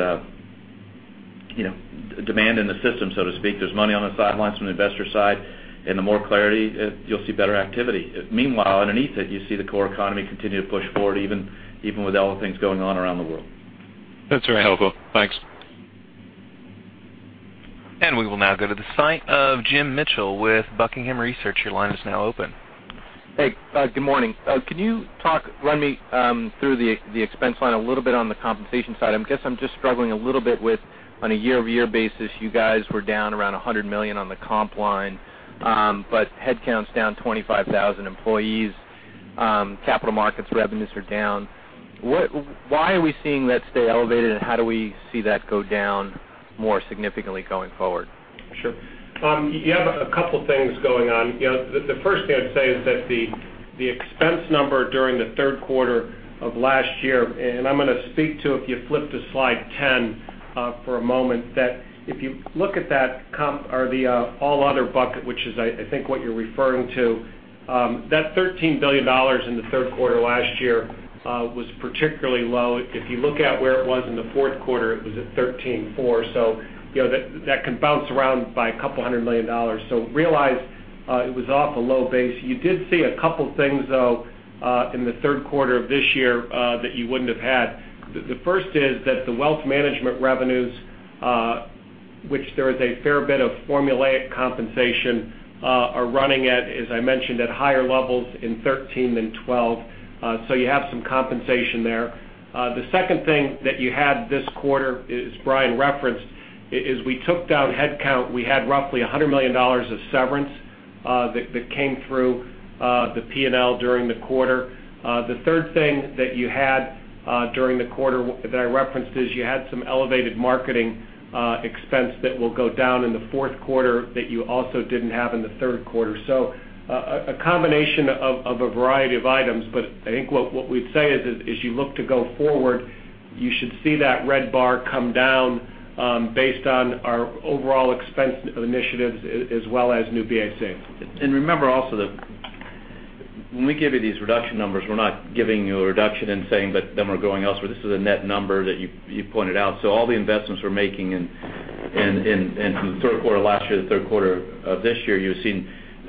demand in the system, so to speak. There's money on the sidelines from the investor side, the more clarity, you'll see better activity. Meanwhile, underneath it, you see the core economy continue to push forward, even with all the things going on around the world. That's very helpful. Thanks. We will now go to the site of Jim Mitchell with Buckingham Research. Your line is now open. Hey. Good morning. Can you run me through the expense line a little bit on the compensation side? I guess I'm just struggling a little bit with, on a year-over-year basis, you guys were down around $100 million on the comp line. Headcount's down 25,000 employees. Capital markets revenues are down. Why are we seeing that stay elevated, and how do we see that go down more significantly going forward? Sure. You have a couple of things going on. The first thing I'd say is that the expense number during the third quarter of last year, and I'm going to speak to, if you flip to slide 10 for a moment, that if you look at that comp or the all other bucket, which is I think what you're referring to, that $13 billion in the third quarter last year was particularly low. If you look at where it was in the fourth quarter, it was at $13.4 billion, so that can bounce around by $200 million. Realize it was off a low base. You did see a couple things, though, in the third quarter of this year that you wouldn't have had. The first is that the wealth management revenues, which there is a fair bit of formulaic compensation, are running at, as I mentioned, at higher levels in 2013 than 2012. You have some compensation there. The second thing that you had this quarter, as Brian referenced, is we took down headcount. We had roughly $100 million of severance that came through the P&L during the quarter. The third thing that you had during the quarter that I referenced is you had some elevated marketing expense that will go down in the fourth quarter that you also didn't have in the third quarter. A combination of a variety of items, but I think what we'd say is as you look to go forward, you should see that red bar come down based on our overall expense initiatives as well as New BAC. Remember also that when we give you these reduction numbers, we're not giving you a reduction and saying that them are going elsewhere. This is a net number that you pointed out. All the investments we're making in the third quarter of last year, the third quarter of this year, you're seeing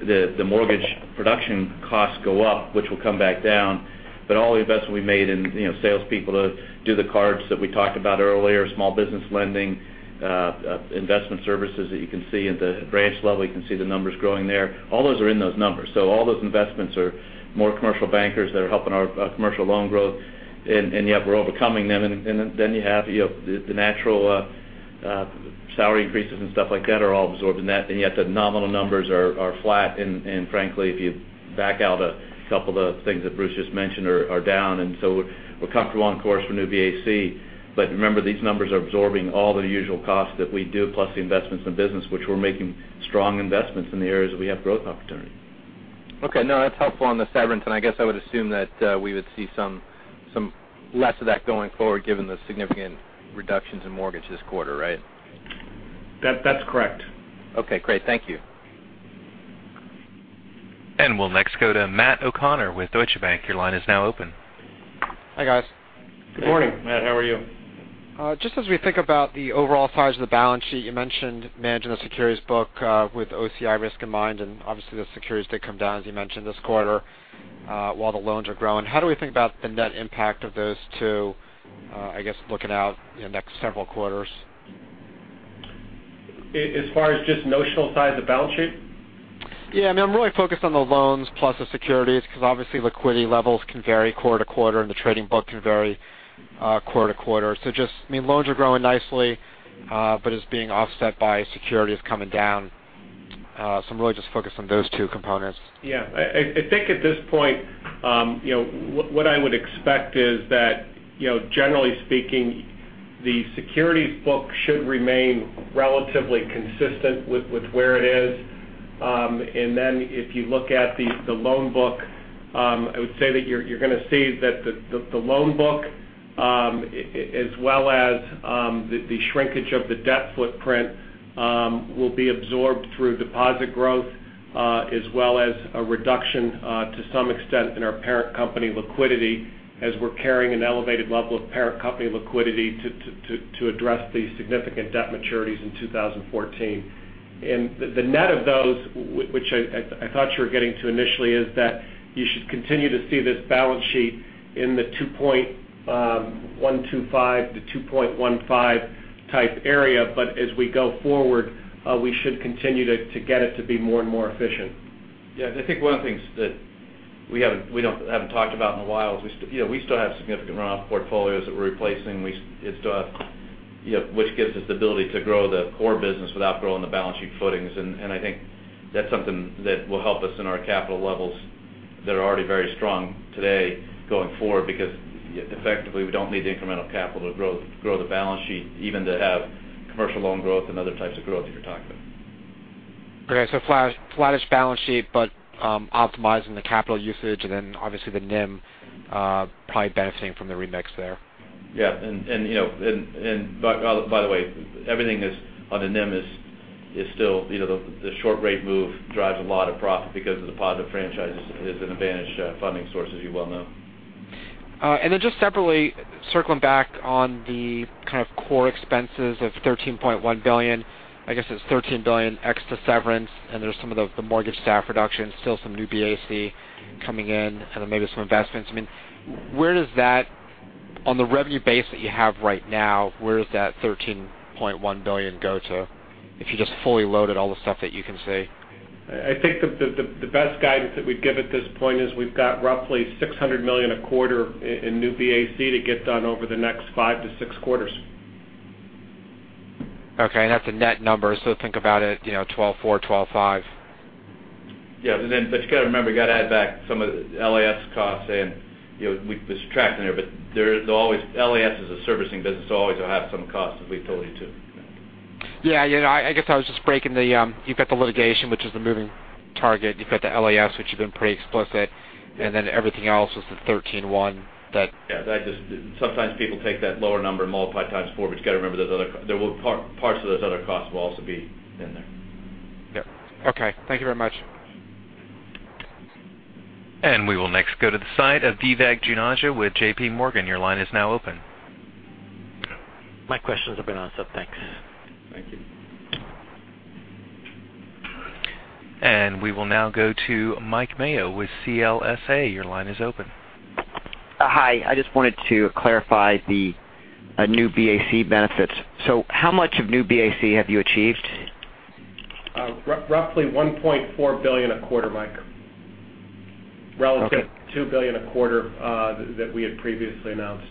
the mortgage production costs go up, which will come back down. All the investments we made in salespeople to do the cards that we talked about earlier, small business lending, investment services that you can see at the branch level, you can see the numbers growing there. All those are in those numbers. All those investments are more commercial bankers that are helping our commercial loan growth, and yet we're overcoming them. Then you have the natural salary increases and stuff like that are all absorbed in that. Yet the nominal numbers are flat, and frankly, if you back out a couple of the things that Bruce just mentioned are down. So we're comfortable on course for New BAC. Remember, these numbers are absorbing all the usual costs that we do, plus the investments in business, which we're making strong investments in the areas that we have growth opportunity. Okay. No, that's helpful on the severance. I guess I would assume that we would see some less of that going forward given the significant reductions in mortgage this quarter, right? That's correct. Okay, great. Thank you. We'll next go to Matthew O'Connor with Deutsche Bank. Your line is now open. Hi, guys. Good morning. Matt, how are you? Just as we think about the overall size of the balance sheet, you mentioned managing the securities book with OCI risk in mind, obviously the securities did come down, as you mentioned this quarter, while the loans are growing. What do we think about the net impact of those two, I guess looking out the next several quarters? As far as just notional size of the balance sheet? Yeah, I'm really focused on the loans plus the securities because obviously liquidity levels can vary quarter to quarter and the trading book can vary quarter to quarter. Just, loans are growing nicely but it's being offset by securities coming down. I'm really just focused on those two components. Yeah. I think at this point, what I would expect is that generally speaking, the securities book should remain relatively consistent with where it is. If you look at the loan book, I would say that you're going to see that the loan book as well as the shrinkage of the debt footprint will be absorbed through deposit growth as well as a reduction to some extent in our parent company liquidity as we're carrying an elevated level of parent company liquidity to address the significant debt maturities in 2014. The net of those, which I thought you were getting to initially, is that you should continue to see this balance sheet in the 2.125 to 2.15 type area. As we go forward, we should continue to get it to be more and more efficient. Yeah, I think one of the things that we haven't talked about in a while, we still have significant runoff portfolios that we're replacing. Which gives us the ability to grow the core business without growing the balance sheet footings. I think that's something that will help us in our capital levels that are already very strong today going forward, because effectively, we don't need the incremental capital to grow the balance sheet, even to have commercial loan growth and other types of growth that you're talking about. Okay. Flattish balance sheet, but optimizing the capital usage and then obviously the NIM probably benefiting from the remix there. Yeah. By the way, everything on the NIM is still the short rate move drives a lot of profit because of the positive franchises is an advantage funding source, as you well know. Just separately, circling back on the kind of core expenses of $13.1 billion, I guess it's $13 billion ex-severance, and there's some of the mortgage staff reductions, still some New BAC coming in, and then maybe some investments. Where does that, on the revenue base that you have right now, where does that $13.1 billion go to, if you just fully loaded all the stuff that you can say? I think the best guidance that we'd give at this point is we've got roughly $600 million a quarter in New BAC to get done over the next 5-6 quarters. Okay. That's a net number. Think about it, 12.4, 12.5. Yeah. You got to remember, you got to add back some of the LAS costs in. We've been subtracting there. LAS is a servicing business. Always it'll have some costs as we told you, too. Yeah. I guess I was just breaking the, you've got the litigation, which is the moving target. You've got the LAS, which you've been pretty explicit. Then everything else was the 13.1. Yeah. Sometimes people take that lower number and multiply it times four, but you got to remember parts of those other costs will also be in there. Yeah. Okay. Thank you very much. We will next go to the side of Vivek Juneja with JPMorgan. Your line is now open. My questions have been answered. Thanks. Thank you. We will now go to Mike Mayo with CLSA. Your line is open. Hi. I just wanted to clarify the New BAC benefits. How much of New BAC have you achieved? Roughly $1.4 billion a quarter, Mike. Okay. Relative to $2 billion a quarter that we had previously announced.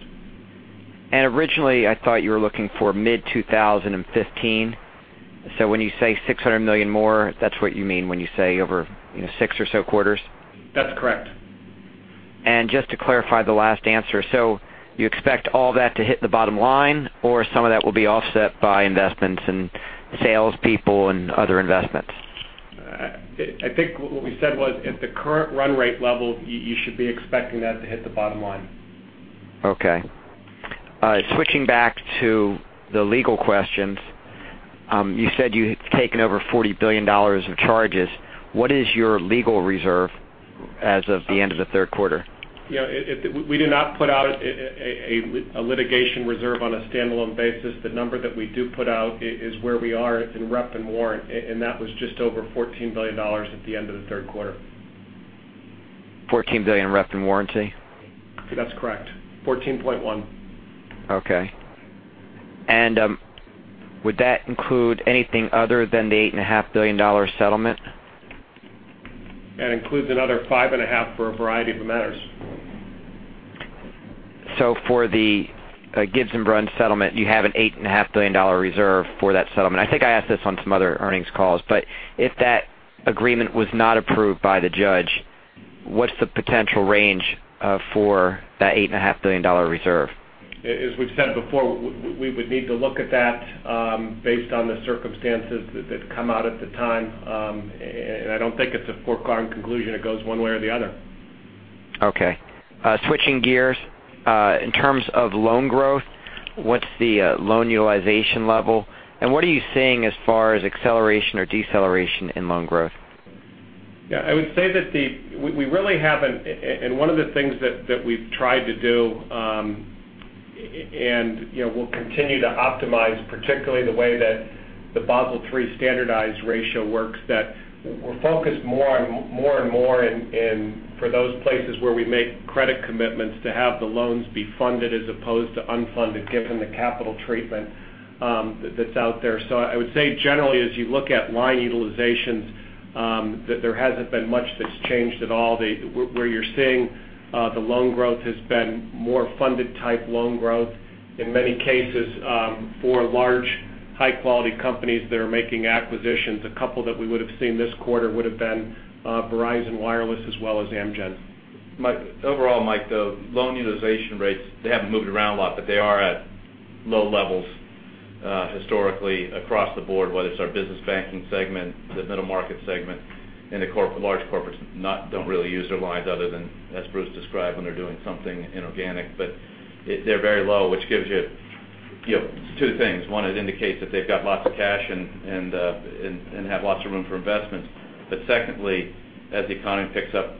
Originally I thought you were looking for mid 2015. When you say $600 million more, that's what you mean when you say over six or so quarters? That's correct. Just to clarify the last answer. You expect all that to hit the bottom line, or some of that will be offset by investments in sales people and other investments? I think what we said was at the current run rate level, you should be expecting that to hit the bottom line. Okay. Switching back to the legal questions. You said you've taken over $40 billion of charges. What is your legal reserve as of the end of the third quarter? We do not put out a litigation reserve on a standalone basis. The number that we do put out is where we are in rep and warrant, and that was just over $14 billion at the end of the third quarter. $14 billion in rep and warranty? That's correct. 14.1. Okay. Would that include anything other than the $8.5 billion settlement? That includes another five and a half for a variety of matters. For the Gibbs & Bruns settlement, you have an $8.5 billion reserve for that settlement. I think I asked this on some other earnings calls. If that agreement was not approved by the judge, what's the potential range for that $8.5 billion reserve? As we've said before, we would need to look at that based on the circumstances that come out at the time. I don't think it's a foregone conclusion it goes one way or the other. Okay. Switching gears, in terms of loan growth, what's the loan utilization level, and what are you seeing as far as acceleration or deceleration in loan growth? Yeah, I would say that we really haven't. One of the things that we've tried to do, and we'll continue to optimize particularly the way that the Basel III standardized ratio works, that we're focused more and more for those places where we make credit commitments to have the loans be funded as opposed to unfunded, given the capital treatment that's out there. I would say generally as you look at line utilizations, that there hasn't been much that's changed at all. Where you're seeing the loan growth has been more funded type loan growth in many cases for large, high quality companies that are making acquisitions. A couple that we would have seen this quarter would've been Verizon Wireless as well as Amgen. Overall, Mike, the loan utilization rates, they haven't moved around a lot, but they are at low levels historically across the board, whether it's our business banking segment, the middle market segment, and the large corporates don't really use their lines other than, as Bruce described, when they're doing something inorganic. They're very low, which gives you two things. One, it indicates that they've got lots of cash and have lots of room for investments. Secondly, as the economy picks up,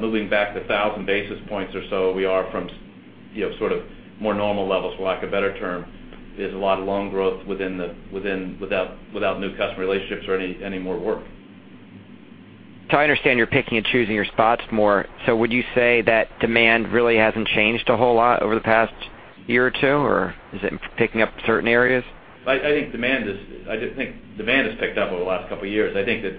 moving back the 1,000 basis points or so we are from sort of more normal levels, for lack of a better term. There's a lot of loan growth without new customer relationships or any more work. I understand you're picking and choosing your spots more. Would you say that demand really hasn't changed a whole lot over the past year or two? Is it picking up certain areas? I think demand has picked up over the last couple of years. I think that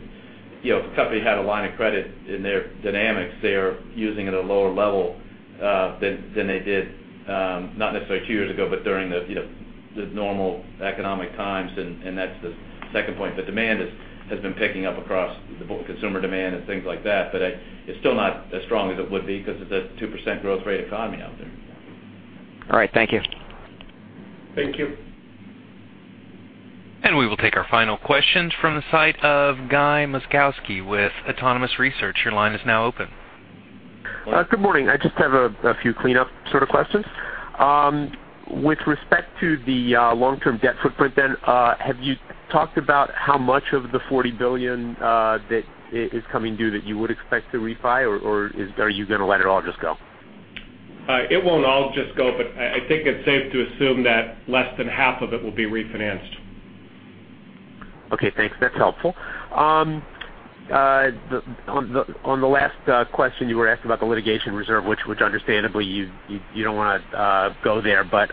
if a company had a line of credit in their dynamics, they are using it at a lower level than they did not necessarily two years ago, but during the normal economic times. That's the second point. Demand has been picking up across the board, consumer demand and things like that. It's still not as strong as it would be because it's a 2% growth rate economy out there. All right. Thank you. Thank you. We will take our final questions from the site of Guy Moszkowski with Autonomous Research. Your line is now open. Good morning. I just have a few cleanup sort of questions. With respect to the long-term debt footprint then, have you talked about how much of the $40 billion that is coming due that you would expect to refi, or are you going to let it all just go? It won't all just go, I think it's safe to assume that less than half of it will be refinanced. Okay, thanks. That's helpful. On the last question you were asking about the litigation reserve, which understandably you don't want to go there, but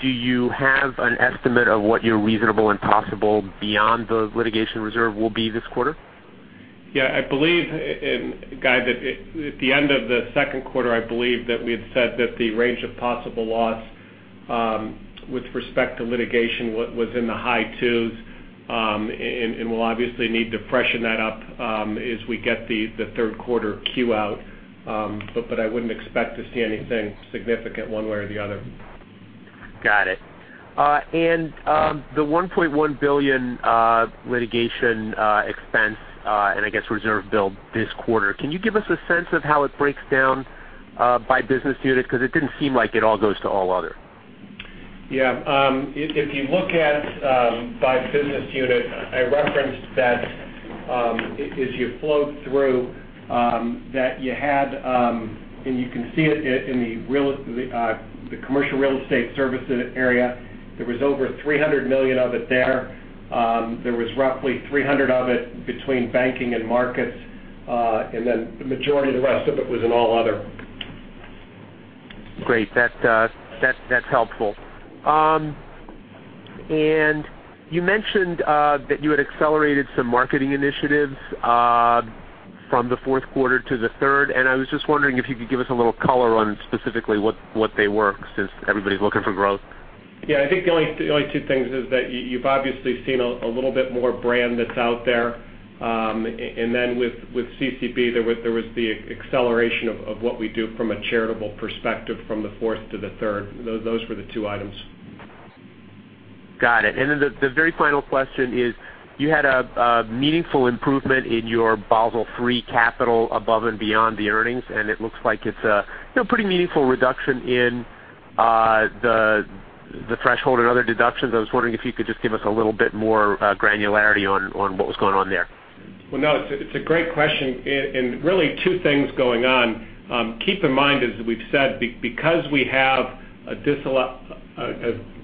do you have an estimate of what your reasonable and possible beyond the litigation reserve will be this quarter? I believe, Guy, that at the end of the second quarter, I believe that we had said that the range of possible loss with respect to litigation was in the high twos. We'll obviously need to freshen that up as we get the third quarter Q out. I wouldn't expect to see anything significant one way or the other. Got it. The $1.1 billion litigation expense and I guess reserve bill this quarter, can you give us a sense of how it breaks down by business unit? Because it didn't seem like it all goes to all other. Yeah. If you look at by business unit, I referenced that as you flowed through, that you had and you can see it in the commercial real estate service area, there was over $300 million of it there. There was roughly $300 of it between banking and markets. The majority of the rest of it was in all other. Great. That's helpful. You mentioned that you had accelerated some marketing initiatives from the fourth quarter to the third. I was just wondering if you could give us a little color on specifically what they were, since everybody's looking for growth. Yeah, I think the only two things is that you've obviously seen a little bit more brand that's out there. With CCB, there was the acceleration of what we do from a charitable perspective from the fourth to the third. Those were the two items. Got it. The very final question is, you had a meaningful improvement in your Basel III capital above and beyond the earnings, and it looks like it's a pretty meaningful reduction in the threshold and other deductions. I was wondering if you could just give us a little bit more granularity on what was going on there. Well, no, it's a great question. Really two things going on. Keep in mind, as we've said, because we have a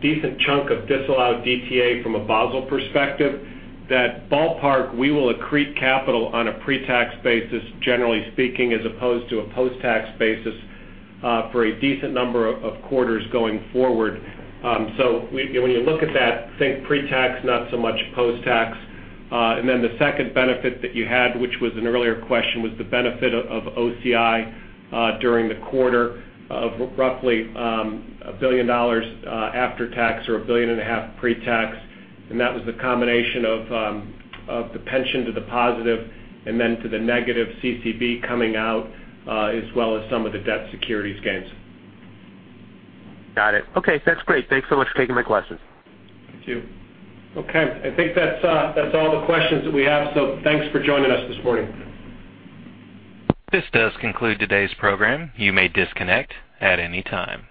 decent chunk of disallowed DTA from a Basel perspective, that ballpark, we will accrete capital on a pre-tax basis, generally speaking, as opposed to a post-tax basis for a decent number of quarters going forward. When you look at that, think pre-tax, not so much post-tax. The second benefit that you had, which was an earlier question, was the benefit of OCI during the quarter of roughly $1 billion after tax or $1.5 billion pre-tax. That was the combination of the pension to the positive and then to the negative CCB coming out as well as some of the debt securities gains. Got it. Okay, that's great. Thanks so much for taking my questions. Thank you. Okay. I think that's all the questions that we have. Thanks for joining us this morning. This does conclude today's program. You may disconnect at any time.